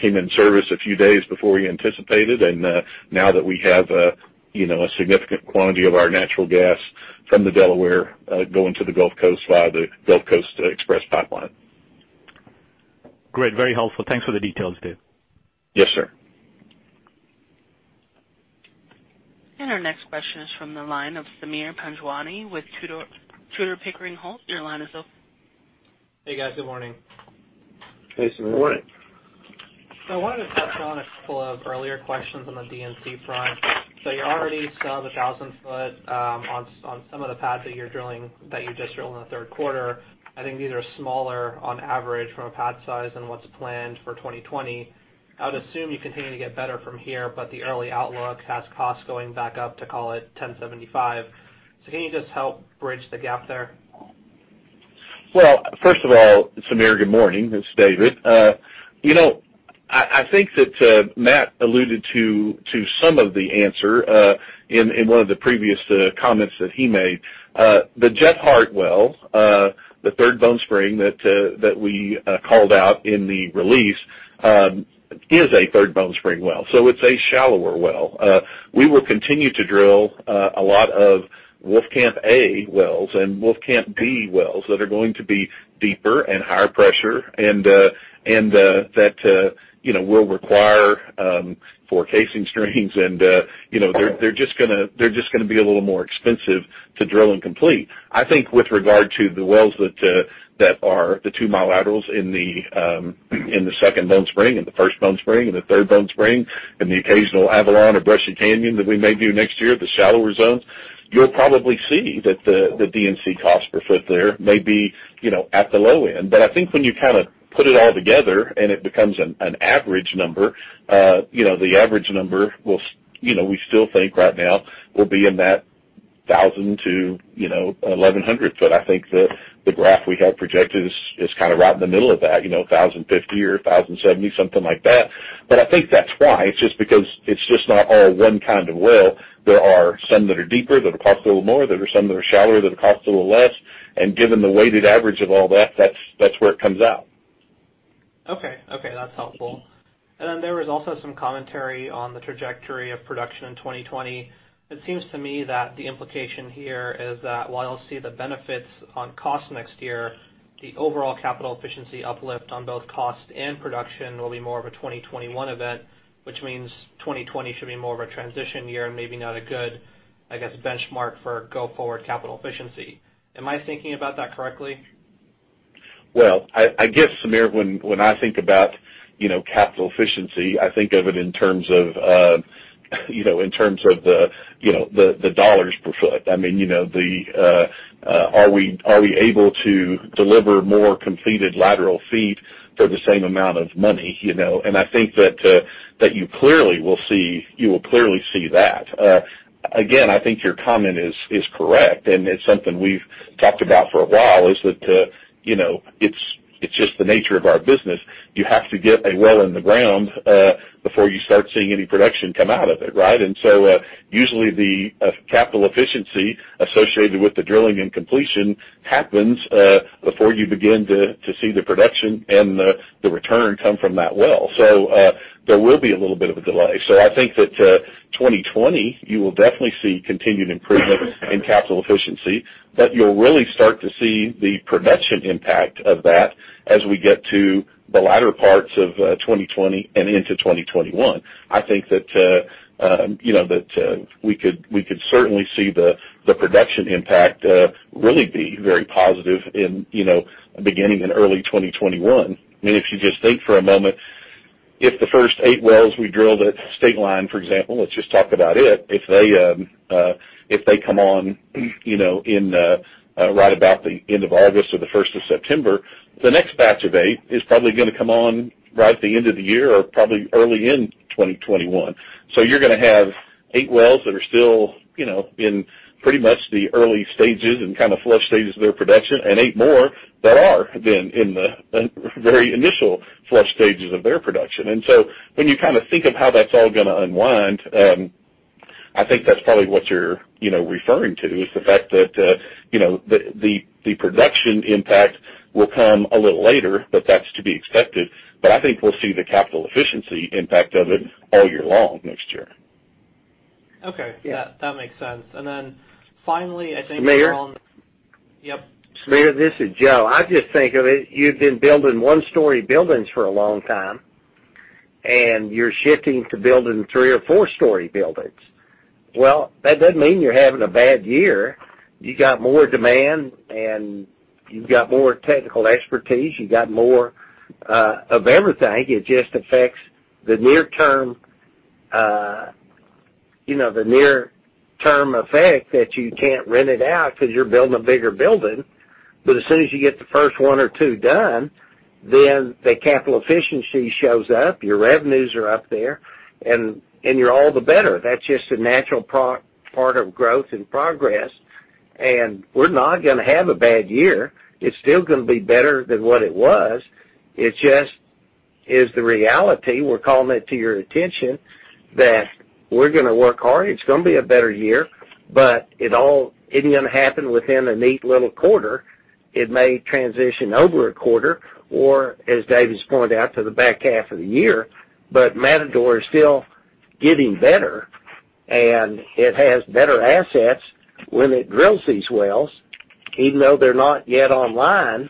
S5: came in service a few days before we anticipated, and now that we have a significant quantity of our natural gas from the Delaware going to the Gulf Coast via the Gulf Coast Express pipeline.
S12: Great. Very helpful. Thanks for the details, Dave.
S5: Yes, sir.
S1: Our next question is from the line of Sameer Panjwani with Tudor, Pickering, Holt. Your line is open.
S13: Hey, guys. Good morning.
S3: Hey, Sameer.
S13: Morning. I wanted to touch on a couple of earlier questions on the D&C front. You already saw the 1,000 foot on some of the pads that you just drilled in the third quarter. I think these are smaller on average from a pad size than what's planned for 2020. I would assume you continue to get better from here, but the early outlook has costs going back up to call it $1,075. Can you just help bridge the gap there?
S5: Well, first of all, Sameer, good morning. It's David. I think that Matt alluded to some of the answer in one of the previous comments that he made. The Jeff Hart well, the Third Bone Spring that we called out in the release, is a Third Bone Spring well. It's a shallower well. We will continue to drill a lot of Wolfcamp A wells and Wolfcamp D wells that are going to be deeper and higher pressure, and that will require four casing strings and they're just going to be a little more expensive to drill and complete. I think with regard to the wells that are the two mile laterals in the Second Bone Spring and the First Bone Spring and the Third Bone Spring, and the occasional Avalon or Brushy Canyon that we may do next year, the shallower zones, you'll probably see that the D&C cost per foot there may be at the low end. I think when you put it all together and it becomes an average number, the average number we still think right now will be in that 1,000 foot-1,100 foot. I think the graph we have projected is right in the middle of that, 1,050 or 1,070, something like that. I think that's why. It's just because it's just not all one kind of well. There are some that are deeper that'll cost a little more. There are some that are shallower that'll cost a little less. Given the weighted average of all that's where it comes out.
S13: Okay. That's helpful. There was also some commentary on the trajectory of production in 2020. It seems to me that the implication here is that while I'll see the benefits on cost next year, the overall capital efficiency uplift on both cost and production will be more of a 2021 event, which means 2020 should be more of a transition year and maybe not a good, I guess, benchmark for go-forward capital efficiency. Am I thinking about that correctly?
S5: Well, I guess, Sameer, when I think about capital efficiency, I think of it in terms of the dollars per foot. Are we able to deliver more completed lateral feet for the same amount of money? I think that you will clearly see that. Again, I think your comment is correct, and it's something we've talked about for a while, is that it's just the nature of our business. You have to get a well in the ground, before you start seeing any production come out of it, right? Usually the capital efficiency associated with the drilling and completion happens, before you begin to see the production and the return come from that well. There will be a little bit of a delay. I think that 2020, you will definitely see continued improvement in capital efficiency, but you'll really start to see the production impact of that as we get to the latter parts of 2020 and into 2021. I think that we could certainly see the production impact really be very positive beginning in early 2021. If you just think for a moment, if the first eight wells we drilled at State Line, for example, let's just talk about it. If they come on in right about the end of August or the first of September, the next batch of eight is probably going to come on right at the end of the year or probably early in 2021. You're going to have eight wells that are still in pretty much the early stages and kind of flush stages of their production and eight more that are then in the very initial flush stages of their production. When you think of how that's all going to unwind, I think that's probably what you're referring to, is the fact that the production impact will come a little later, but that's to be expected. I think we'll see the capital efficiency impact of it all year long next year.
S13: Okay.
S5: Yeah.
S13: That makes sense.
S3: Sameer?
S13: Yep.
S3: Sameer, this is Joe. I just think of it, you've been building one-story buildings for a long time, and you're shifting to building three or four-story buildings. That doesn't mean you're having a bad year. You got more demand, you've got more technical expertise. You got more of everything. It just affects the near term, the near term effect that you can't rent it out because you're building a bigger building. As soon as you get the first one or two done, then the capital efficiency shows up, your revenues are up there, and you're all the better. That's just a natural part of growth and progress, and we're not going to have a bad year. It's still going to be better than what it was. It just is the reality. We're calling it to your attention that we're going to work hard. It's going to be a better year, but it ain't going to happen within a neat little quarter. It may transition over a quarter or, as David's pointed out, to the back half of the year. Matador is still getting better, and it has better assets when it drills these wells, even though they're not yet online.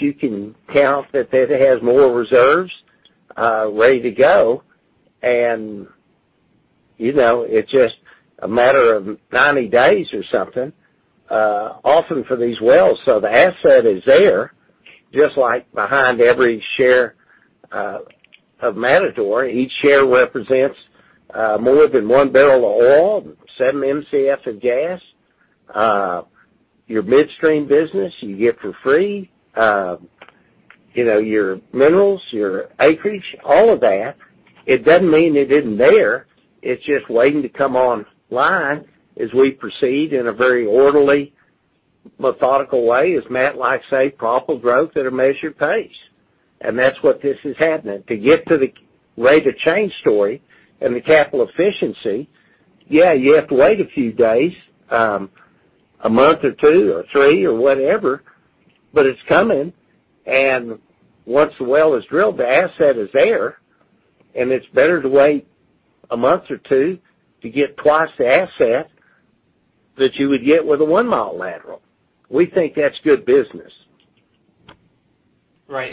S3: You can count that it has more reserves ready to go, and it's just a matter of 90 days or something, often for these wells. The asset is there, just like behind every share of Matador. Each share represents more than one barrel of oil, 7 Mcf of gas. Your midstream business you get for free, your minerals, your acreage, all of that. It doesn't mean it isn't there. It's just waiting to come online as we proceed in a very orderly, methodical way, as Matt likes to say, proper growth at a measured pace. That's what this is happening. To get to the rate of change story and the capital efficiency, yeah, you have to wait a few days, a month or two or three or whatever, it's coming. Once the well is drilled, the asset is there, and it's better to wait a month or two to get twice the asset that you would get with a one-mile lateral. We think that's good business.
S13: Right.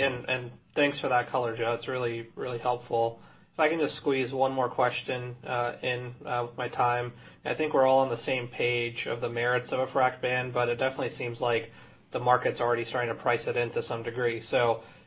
S13: Thanks for that color, Joe. It's really helpful. If I can just squeeze one more question in with my time. I think we're all on the same page of the merits of a frack ban, but it definitely seems like the market's already starting to price it in to some degree.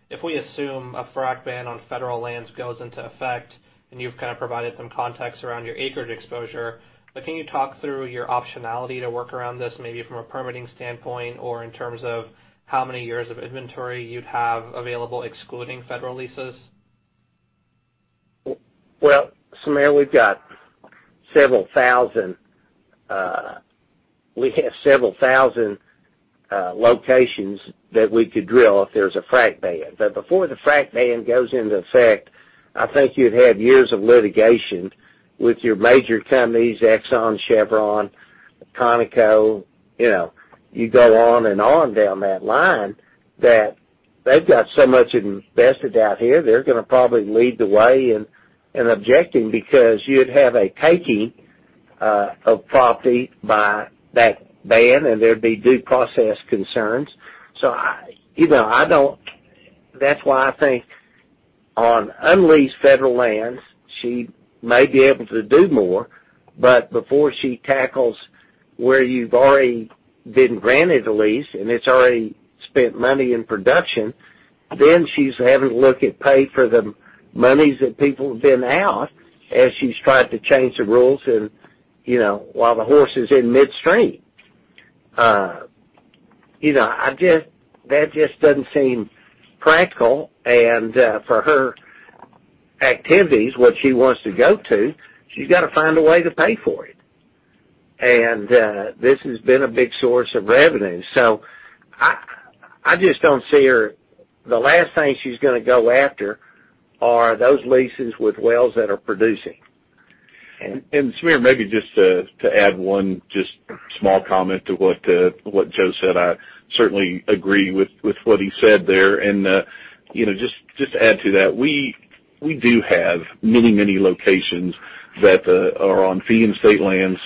S13: If we assume a frack ban on federal lands goes into effect, and you've kind of provided some context around your acreage exposure, but can you talk through your optionality to work around this, maybe from a permitting standpoint or in terms of how many years of inventory you'd have available excluding federal leases?
S3: Well, Sameer, we have several thousand locations that we could drill if there's a frack ban. Before the frack ban goes into effect, I think you'd have years of litigation with your major companies, Exxon, Chevron, Conoco. You go on and on down that line that they've got so much invested out here, they're going to probably lead the way in objecting because you'd have a taking of property by that ban, and there'd be due process concerns. That's why I think on unleased federal lands, she may be able to do more. Before she tackles where you've already been granted a lease and it's already spent money in production, then she's having to look at pay for the monies that people have been out as she's tried to change the rules while the horse is in midstream. That just doesn't seem practical. For her activities, what she wants to go to, she's got to find a way to pay for it. This has been a big source of revenue. I just don't see her. The last thing she's going to go after are those leases with wells that are producing.
S5: Sameer, maybe just to add one small comment to what Joe said, I certainly agree with what he said there. Just to add to that, we do have many locations that are on fee and state lands,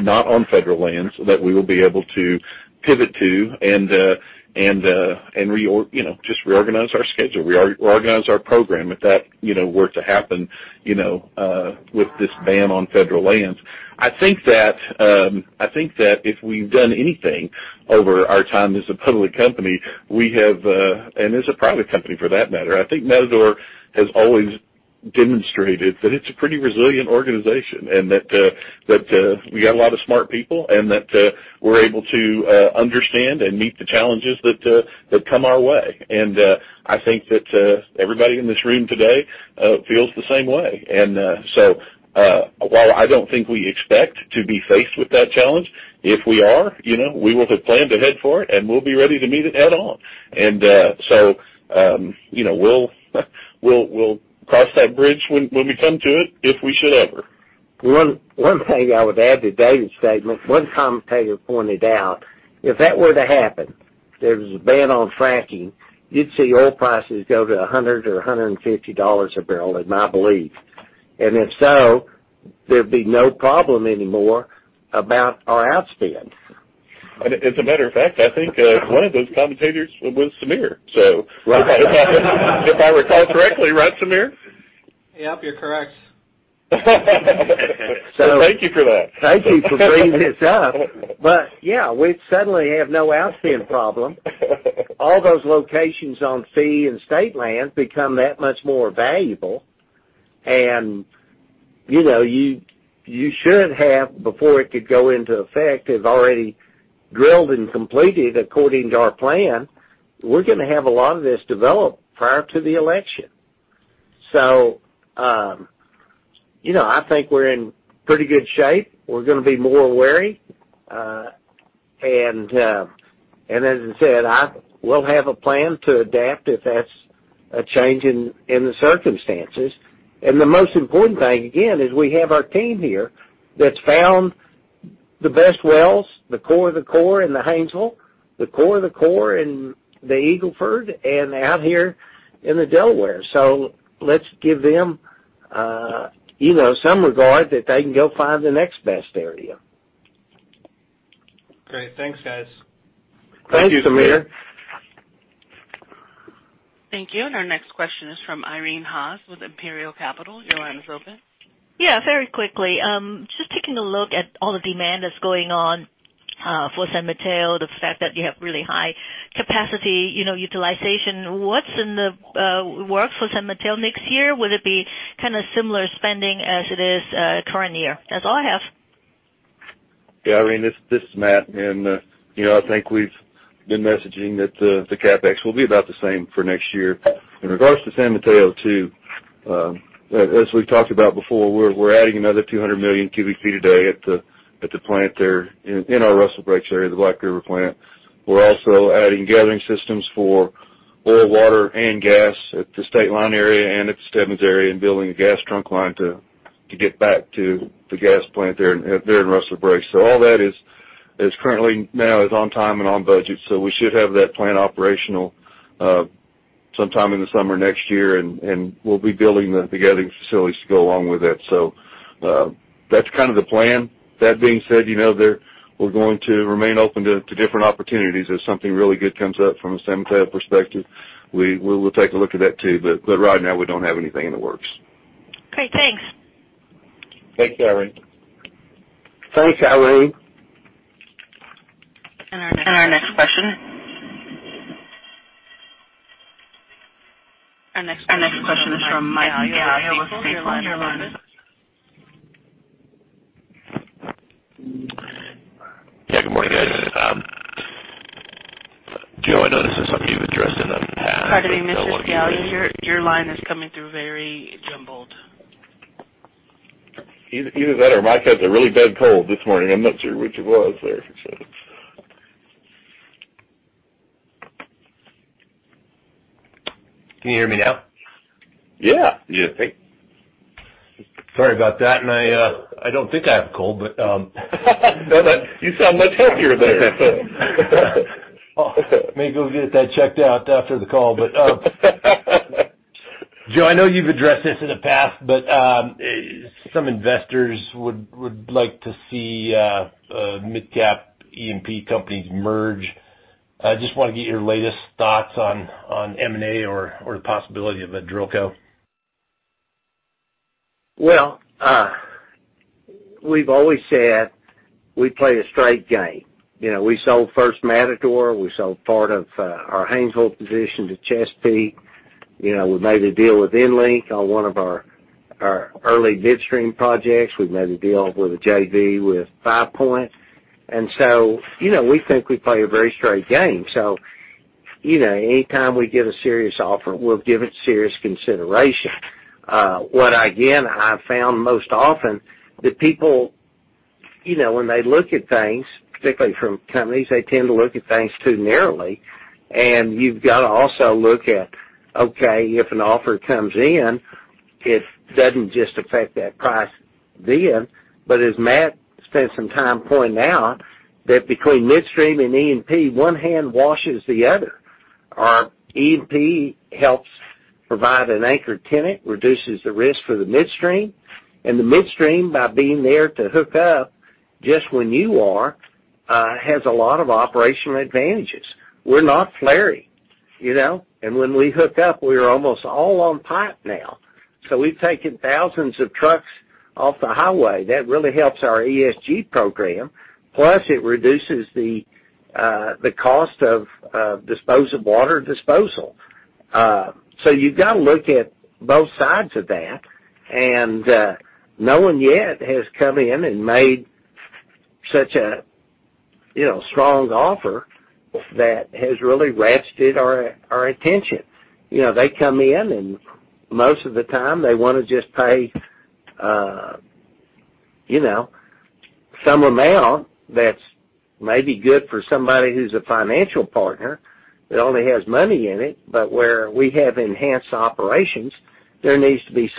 S5: not on federal lands, that we will be able to pivot to and just reorganize our schedule, reorganize our program, if that were to happen, with this ban on federal lands. I think that if we've done anything over our time as a public company, and as a private company for that matter, I think Matador has always demonstrated that it's a pretty resilient organization, and that we got a lot of smart people, and that we're able to understand and meet the challenges that come our way. I think that everybody in this room today feels the same way. While I don't think we expect to be faced with that challenge, if we are, we will have planned ahead for it, and we'll be ready to meet it head on. We'll cross that bridge when we come to it, if we should ever.
S3: One thing I would add to David's statement, one commentator pointed out, if that were to happen, there's a ban on fracking, you'd see oil prices go to $100 or $150 a barrel, is my belief. If so, there'd be no problem anymore about our outspend.
S5: As a matter of fact, I think one of those commentators was Sameer.
S3: Right.
S5: If I recall correctly, right, Sameer?
S13: Yep, you're correct.
S5: Thank you for that.
S3: Thank you for bringing this up. Yeah, we'd suddenly have no outspend problem. All those locations on fee and state land become that much more valuable. You should have, before it could go into effect, have already drilled and completed according to our plan. We're going to have a lot of this developed prior to the election. I think we're in pretty good shape. We're going to be more wary. As I said, we'll have a plan to adapt if that's a change in the circumstances. The most important thing, again, is we have our team here that's found the best wells, the core of the core in the Haynesville, the core of the core in the Eagle Ford, and out here in the Delaware. Let's give them some regard that they can go find the next best area.
S13: Great. Thanks, guys.
S5: Thank you, Sameer.
S3: Thank you, Sameer.
S1: Thank you. Our next question is from Irene Haas with Imperial Capital. Your line is open.
S14: Yeah, very quickly. Just taking a look at all the demand that's going on for San Mateo, the fact that you have really high capacity utilization. What's in the works for San Mateo next year? Will it be similar spending as it is current year? That's all I have.
S7: Irene, this is Matt. I think we've been messaging that the CapEx will be about the same for next year. In regards to San Mateo too, as we've talked about before, we're adding another 200 million cubic feet a day at the plant there in our Rustler Breaks area, the Black River plant. We're also adding gathering systems for oil, water, and gas at the state line area and at the Stebbins area and building a gas trunk line to get back to the gas plant there in Rustler Breaks. All that is currently now on time and on budget. We should have that plant operational sometime in the summer next year, and we'll be building the gathering facilities to go along with that. That's the plan.
S5: That being said, we're going to remain open to different opportunities as something really good comes up from a San Mateo perspective. We will take a look at that too. Right now, we don't have anything in the works.
S14: Great. Thanks.
S3: Thanks, Irene. Thanks, Irene.
S1: Our next question is from Mike Kelly with Piper Sandler. Your line is open.
S15: Yeah, good morning, guys. Joe, I know this is something you've addressed in the past, but I want to get your.
S1: Pardon me, Mr. Kelly, your line is coming through very jumbled.
S5: Either that or Mike has a really bad cold this morning. I'm not sure which it was there.
S15: Can you hear me now?
S5: Yeah.
S15: Sorry about that. I don't think I have a cold.
S5: You sound much healthier there.
S15: Maybe we'll get that checked out after the call, but Joe, I know you've addressed this in the past, but some investors would like to see mid-cap E&P companies merge. I just want to get your latest thoughts on M&A or the possibility of a drill co.
S3: We've always said we play a straight game. We sold First Matador, we sold part of our Haynesville position to Chesapeake. We made a deal with EnLink on one of our early midstream projects. We've made a deal with a JV with FivePoint, we think we play a very straight game. Anytime we get a serious offer, we'll give it serious consideration. Again, I've found most often that people, when they look at things, particularly from companies, they tend to look at things too narrowly, and you've got to also look at, okay, if an offer comes in, it doesn't just affect that price then, but as Matt spent some time pointing out, that between midstream and E&P, one hand washes the other. Our E&P helps provide an anchor tenant, reduces the risk for the midstream. The midstream, by being there to hook up just when you are, has a lot of operational advantages. We're not flaring. When we hook up, we are almost all on pipe now, so we've taken thousands of trucks off the highway. That really helps our ESG program. Plus, it reduces the cost of produced water disposal. You've got to look at both sides of that, and no one yet has come in and made such a strong offer that has really captured our attention. They come in, and most of the time, they want to just pay some amount that's maybe good for somebody who's a financial partner, that only has money in it, but where we have enhanced operations, there needs to be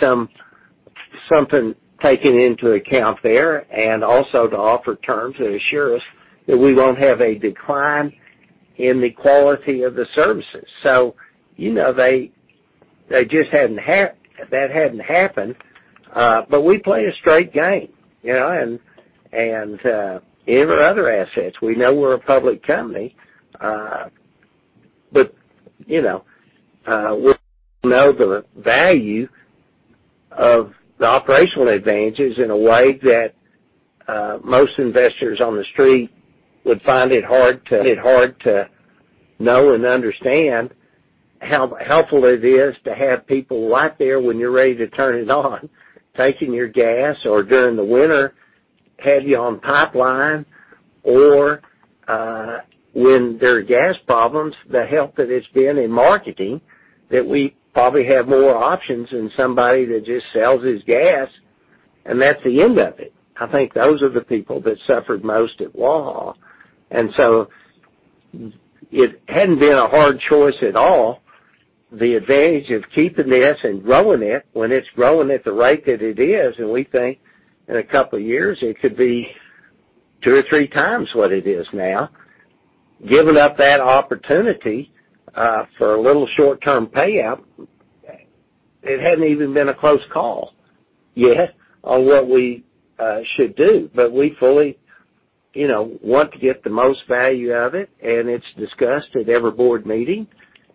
S3: something taken into account there, and also to offer terms that assure us that we won't have a decline in the quality of the services. That hadn't happened, but we play a straight game. In our other assets, we know we're a public company, but we know the value of the operational advantages in a way that most investors on the Street would find it hard to know and understand how helpful it is to have people right there when you're ready to turn it on, taking your gas, or during the winter, have you on pipeline, or when there are gas problems, the help that it's been in marketing, that we probably have more options than somebody that just sells his gas and that's the end of it. I think those are the people that suffered most at Waha. It hadn't been a hard choice at all. The advantage of keeping this and growing it when it's growing at the rate that it is, and we think in a couple of years, it could be two or three times what it is now. Giving up that opportunity for a little short-term payout, it hadn't even been a close call yet on what we should do. We fully want to get the most value out of it, and it's discussed at every board meeting,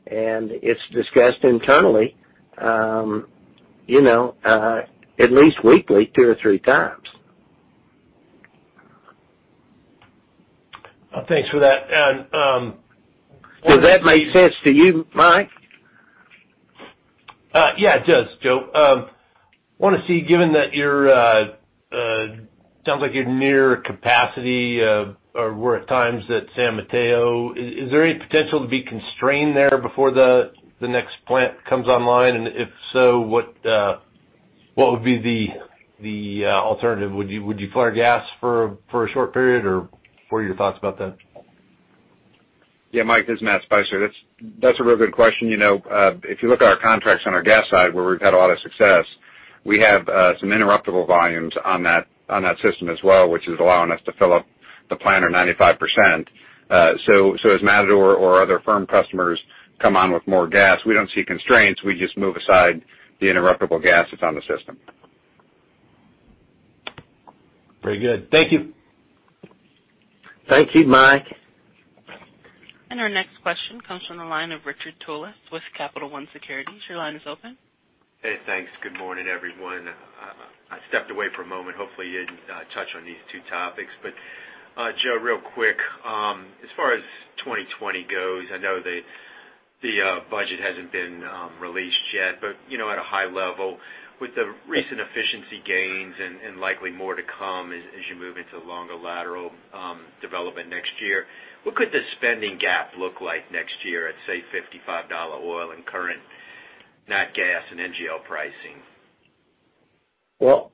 S3: and it's discussed internally at least weekly, two or three times.
S15: Thanks for that.
S3: Does that make sense to you, Mike?
S15: Yeah, it does, Joe. I want to see, given that it sounds like you're near capacity or were at times at San Mateo, is there any potential to be constrained there before the next plant comes online? If so, what would be the alternative? Would you flare gas for a short period, or what are your thoughts about that?
S16: Yeah, Mike, this is Matt Spicer. That's a real good question. If you look at our contracts on our gas side where we've had a lot of success, we have some interruptible volumes on that system as well, which is allowing us to fill up the plant 95%. As Matador or other firm customers come on with more gas, we don't see constraints. We just move aside the interruptible gas that's on the system.
S15: Very good. Thank you.
S3: Thank you, Mike.
S1: Our next question comes from the line of Richard Tullis with Capital One Securities. Your line is open.
S17: Hey, thanks. Good morning, everyone. I stepped away for a moment. Hopefully you didn't touch on these two topics. Joe, real quick, as far as 2020 goes, I know the budget hasn't been released yet, at a high level, with the recent efficiency gains and likely more to come as you move into longer lateral development next year, what could the spending gap look like next year at, say, $55 oil and current nat gas and NGL pricing?
S3: Well,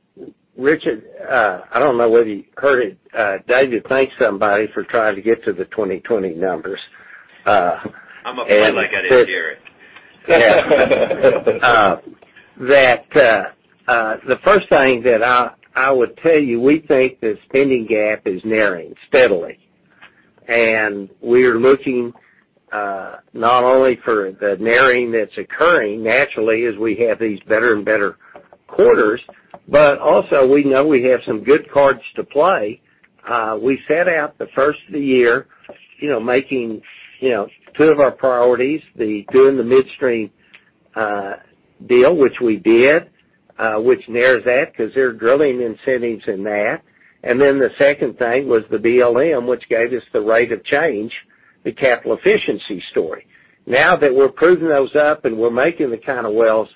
S3: Richard, I don't know whether you heard it. David, thank somebody for trying to get to the 2020 numbers.
S17: I'm a plug. I didn't hear it.
S3: Yeah. The first thing that I would tell you, we think the spending gap is narrowing steadily. We're looking not only for the narrowing that's occurring naturally as we have these better and better quarters, but also, we know we have some good cards to play. We set out the first of the year, making two of our priorities, doing the midstream deal, which we did, which narrows that because there are drilling incentives in that. The second thing was the BLM, which gave us the rate of change, the capital efficiency story. Now that we're proving those up and we're making the kind of wells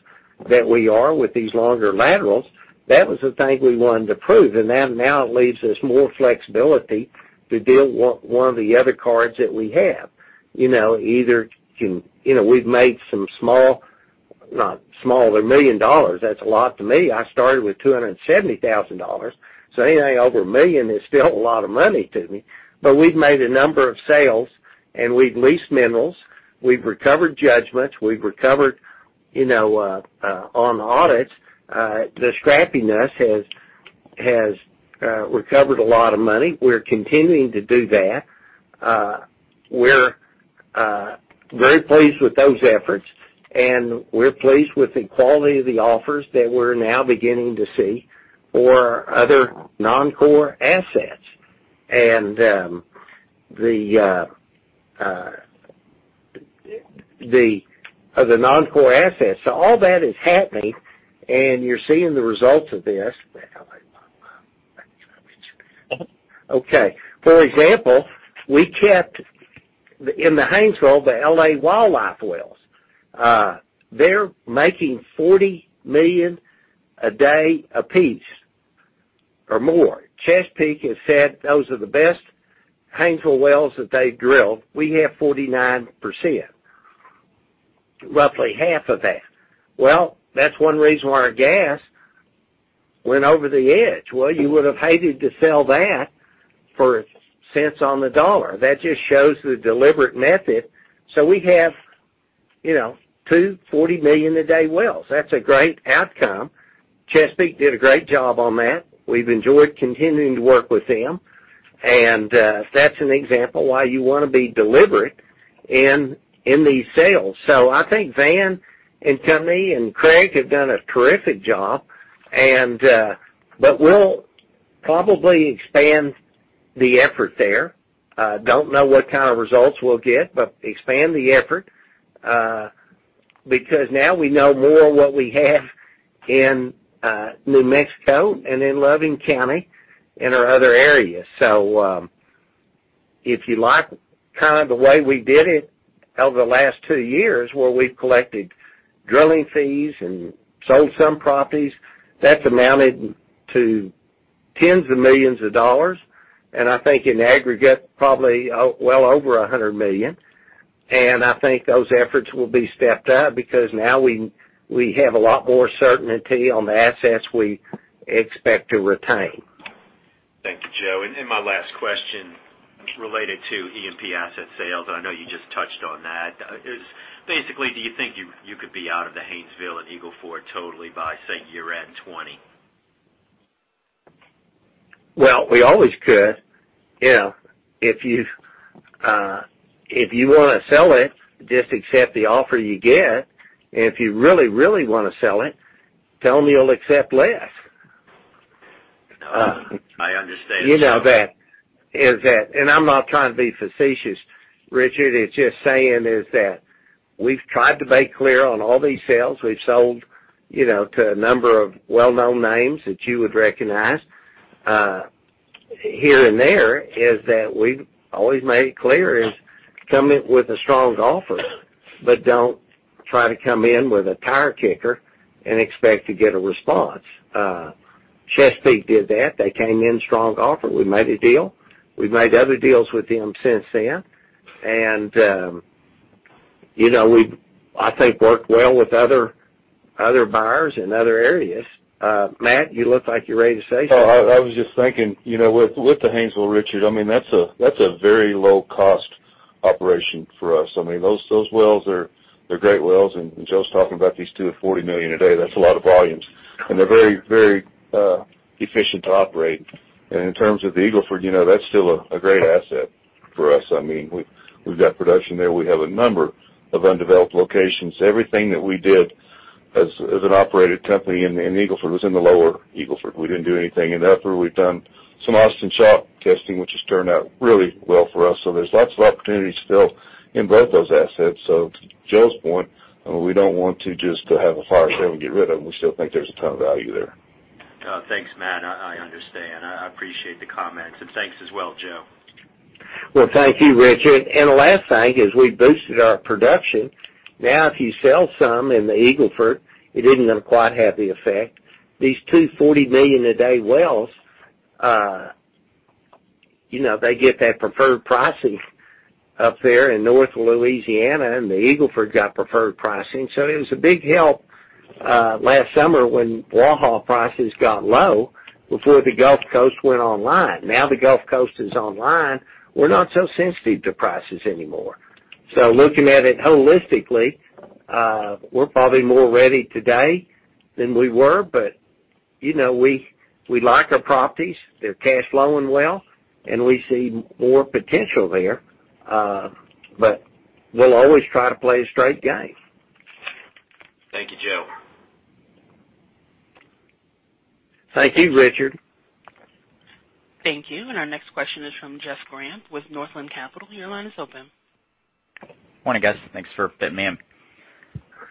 S3: that we are with these longer laterals, that was the thing we wanted to prove. Now it leaves us more flexibility to deal one of the other cards that we have. We've made some small, not small, they're $1 million, that's a lot to me. I started with $270,000, anything over $1 million is still a lot of money to me. We've made a number of sales, and we've leased minerals, we've recovered judgments, we've recovered on audits. The scrappiness has recovered a lot of money. We're continuing to do that. We're very pleased with those efforts, and we're pleased with the quality of the offers that we're now beginning to see for other non-core assets. All that is happening, and you're seeing the results of this. Okay. For example, we kept, in the Haynesville, the LA Wildlife wells. They're making 40 million a day apiece or more. Chesapeake has said those are the best Haynesville wells that they've drilled. We have 49%, roughly half of that. Well, that's one reason why our gas went over the edge. Well, you would have hated to sell that for cents on the dollar. That just shows the deliberate method. We have two 40 million-a-day wells. That's a great outcome. Chesapeake did a great job on that. We've enjoyed continuing to work with them, and that's an example why you want to be deliberate in these sales. I think Van and Timmy and Craig have done a terrific job. We'll probably expand the effort there. Don't know what kind of results we'll get, but expand the effort, because now we know more what we have in New Mexico and in Loving County and our other areas. If you like the way we did it over the last two years, where we've collected drilling fees and sold some properties, that's amounted to tens of millions of dollars, and I think in aggregate, probably well over $100 million. I think those efforts will be stepped up because now we have a lot more certainty on the assets we expect to retain.
S17: Thank you, Joe. My last question, related to E&P asset sales, I know you just touched on that. Basically, do you think you could be out of the Haynesville and Eagle Ford totally by, say, year-end 2020?
S3: Well, we always could. If you want to sell it, just accept the offer you get, and if you really want to sell it, tell them you'll accept less.
S17: I understand.
S3: I'm not trying to be facetious, Richard. It's just saying is that we've tried to make clear on all these sales, we've sold to a number of well-known names that you would recognize. Here and there, is that we've always made it clear is, come in with a strong offer, but don't try to come in with a tire kicker and expect to get a response. Chesapeake did that. They came in strong offer. We made a deal. We've made other deals with them since then. We've, I think, worked well with other buyers in other areas. Matt, you look like you're ready to say something.
S7: I was just thinking, with the Haynesville, Richard, that's a very low-cost operation for us. Those wells are great wells, Joe's talking about these two at $40 million a day. That's a lot of volumes. They're very efficient to operate. In terms of the Eagle Ford, that's still a great asset for us. We've got production there. We have a number of undeveloped locations. Everything that we did as an operated company in Eagle Ford was in the lower Eagle Ford. We didn't do anything in the upper. We've done some Austin Chalk testing, which has turned out really well for us, there's lots of opportunities still in both those assets. To Joe's point, we don't want to just have a fire sale and get rid of them. We still think there's a ton of value there.
S17: Thanks, Matt. I understand. I appreciate the comments. Thanks as well, Joe.
S3: Thank you, Richard. The last thing is we've boosted our production. If you sell some in the Eagle Ford, it isn't going to quite have the effect. These two $40 million-a-day wells, they get that preferred pricing up there in North Louisiana, and the Eagle Ford got preferred pricing. It was a big help last summer when Waha prices got low, before the Gulf Coast went online. The Gulf Coast is online, we're not so sensitive to prices anymore. Looking at it holistically, we're probably more ready today than we were, but we like our properties. They're cash flowing well, and we see more potential there. We'll always try to play a straight game.
S17: Thank you, Joe.
S3: Thank you, Richard.
S1: Thank you. Our next question is from Jeff Grampp with Northland Capital. Your line is open.
S18: Morning, guys. Thanks for fitting me in.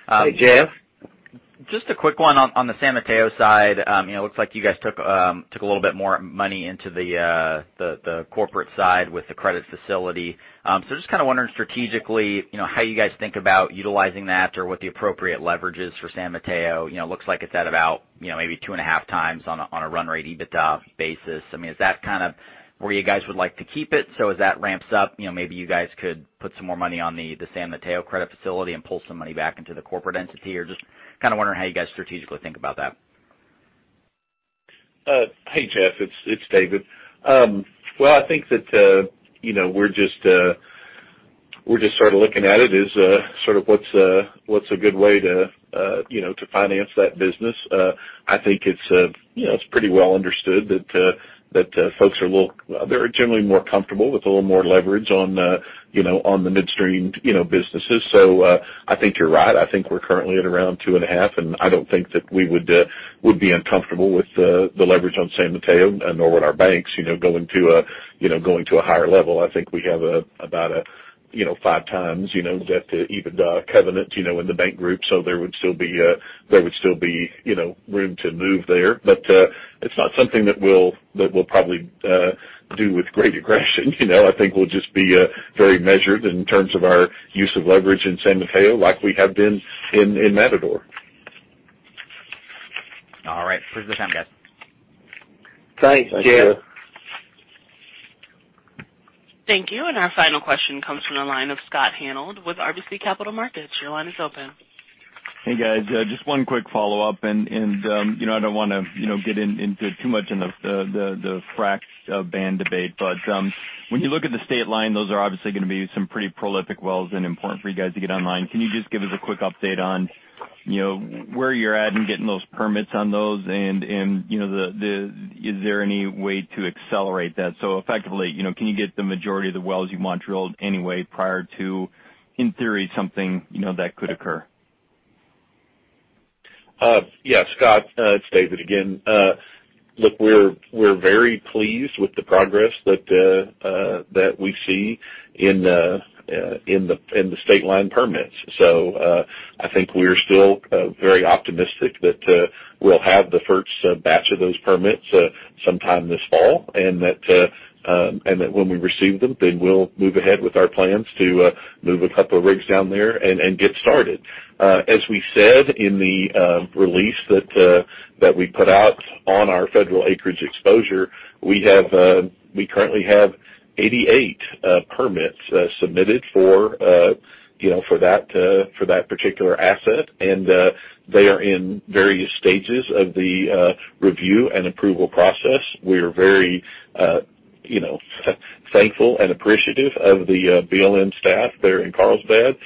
S5: Hey, Jeff.
S18: Just a quick one on the San Mateo side. It looks like you guys took a little bit more money into the corporate side with the credit facility. Just wondering strategically, how you guys think about utilizing that or what the appropriate leverage is for San Mateo. It looks like it's at about maybe 2.5 times on a run rate EBITDA basis. Is that where you guys would like to keep it? As that ramps up, maybe you guys could put some more money on the San Mateo credit facility and pull some money back into the corporate entity, or just kind of wondering how you guys strategically think about that.
S5: Hey, Jeff. It's David. I think that we're just looking at it as what's a good way to finance that business. I think it's pretty well understood that folks are generally more comfortable with a little more leverage on the midstream businesses. I think you're right. I think we're currently at around 2.5, and I don't think that we would be uncomfortable with the leverage on San Mateo nor would our banks going to a higher level. I think we have about a 5 times debt to EBITDA covenant in the bank group, there would still be room to move there. It's not something that we'll probably do with great aggression. I think we'll just be very measured in terms of our use of leverage in San Mateo like we have been in Matador.
S18: All right. Appreciate the time, guys.
S5: Thanks, Jeff.
S1: Thank you. Our final question comes from the line of Scott Hanold with RBC Capital Markets. Your line is open.
S4: Hey, guys. Just one quick follow-up, I don't want to get into too much in the fracs ban debate. When you look at the state line, those are obviously going to be some pretty prolific wells and important for you guys to get online. Can you just give us a quick update on where you're at in getting those permits on those? Is there any way to accelerate that? Effectively, can you get the majority of the wells you want drilled anyway prior to, in theory, something that could occur?
S5: Yeah, Scott, it's David again. Look, we're very pleased with the progress that we see in the state line permits. I think we're still very optimistic that we'll have the first batch of those permits sometime this fall, and that when we receive them, then we'll move ahead with our plans to move a couple of rigs down there and get started. As we said in the release that we put out on our federal acreage exposure, we currently have 88 permits submitted for that particular asset, and they are in various stages of the review and approval process. We are very thankful and appreciative of the BLM staff there in Carlsbad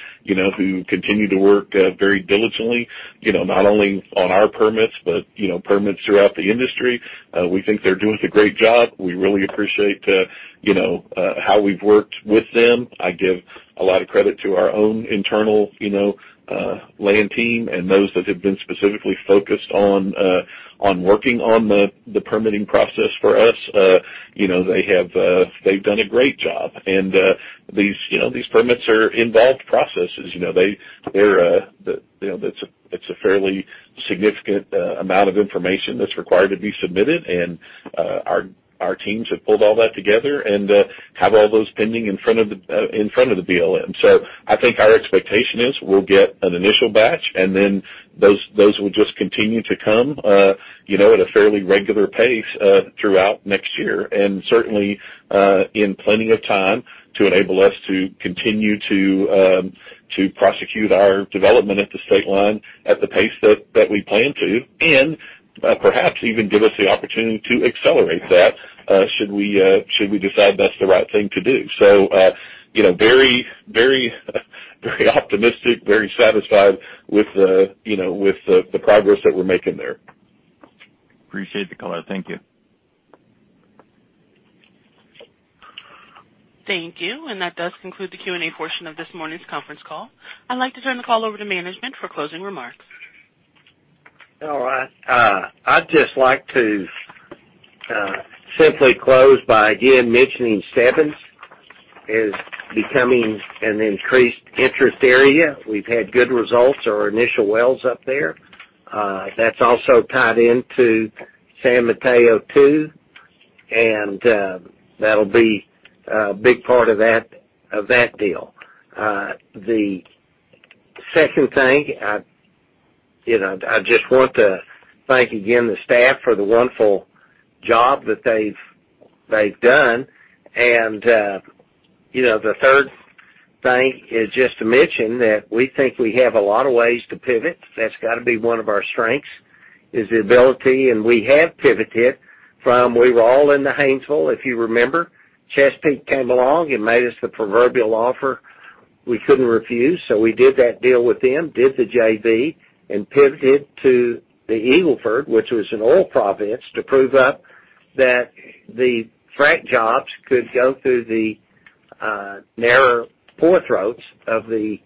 S5: who continue to work very diligently, not only on our permits, but permits throughout the industry. We think they're doing a great job. We really appreciate how we've worked with them. I give a lot of credit to our own internal land team and those that have been specifically focused on working on the permitting process for us. They've done a great job. These permits are involved processes. It's a fairly significant amount of information that's required to be submitted, our teams have pulled all that together and have all those pending in front of the BLM. I think our expectation is we'll get an initial batch, then those will just continue to come at a fairly regular pace throughout next year. Certainly, in plenty of time to enable us to continue to prosecute our development at the state line at the pace that we plan to, perhaps even give us the opportunity to accelerate that should we decide that's the right thing to do. Very optimistic, very satisfied with the progress that we're making there.
S4: Appreciate the color. Thank you.
S1: Thank you. That does conclude the Q&A portion of this morning's conference call. I'd like to turn the call over to management for closing remarks.
S3: All right. I'd just like to simply close by again mentioning Stebbins is becoming an increased interest area. We've had good results, our initial wells up there. That's also tied into San Mateo II, that'll be a big part of that deal. The second thing, I just want to thank again the staff for the wonderful job that they've done. The third thing is just to mention that we think we have a lot of ways to pivot. That's got to be one of our strengths, is the ability, and we have pivoted from, we were all in the Haynesville, if you remember. Chesapeake came along and made us the proverbial offer we couldn't refuse. We did that deal with them, did the JV, and pivoted to the Eagle Ford, which was an oil province, to prove that the frack jobs could go through the. narrower pore throats of the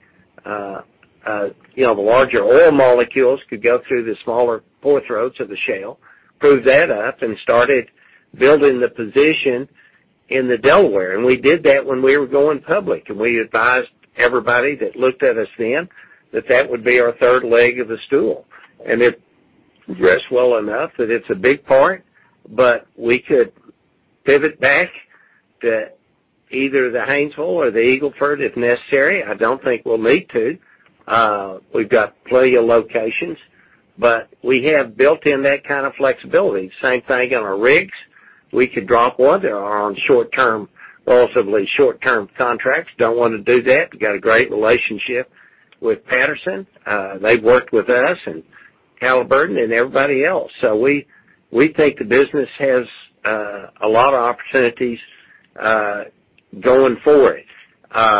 S3: larger oil molecules could go through the smaller pore throats of the shale, proved that up, and started building the position in the Delaware. We did that when we were going public, and we advised everybody that looked at us then that would be our third leg of the stool. It rests well enough that it's a big part, but we could pivot back to either the Haynesville or the Eagle Ford if necessary. I don't think we'll need to. We've got plenty of locations, but we have built in that kind of flexibility. Same thing on our rigs. We could drop one. They are on relatively short-term contracts. Don't want to do that. We've got a great relationship with Patterson. They've worked with us and Halliburton and everybody else. We think the business has a lot of opportunities going forward. I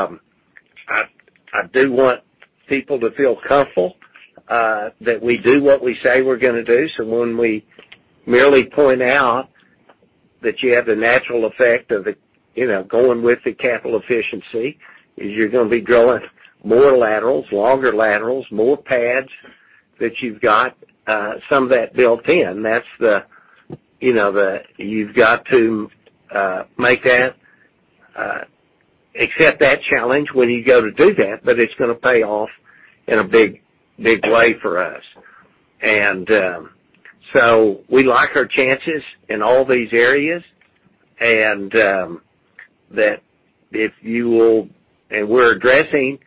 S3: do want people to feel comfortable that we do what we say we're going to do. When we merely point out that you have the natural effect of going with the capital efficiency, is you're going to be drilling more laterals, longer laterals, more pads that you've got some of that built-in. You've got to accept that challenge when you go to do that, it's going to pay off in a big way for us. We like our chances in all these areas, and we're addressing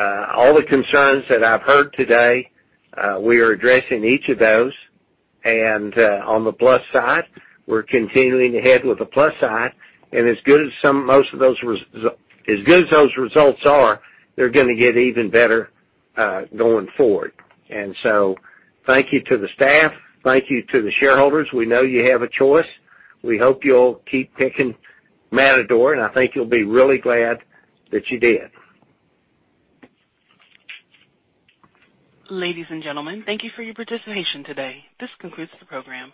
S3: all the concerns that I've heard today. We are addressing each of those. On the plus side, we're continuing ahead with the plus side, and as good as those results are, they're going to get even better going forward. Thank you to the staff. Thank you to the shareholders. We know you have a choice. We hope you'll keep picking Matador, and I think you'll be really glad that you did.
S1: Ladies and gentlemen, thank you for your participation today. This concludes the program.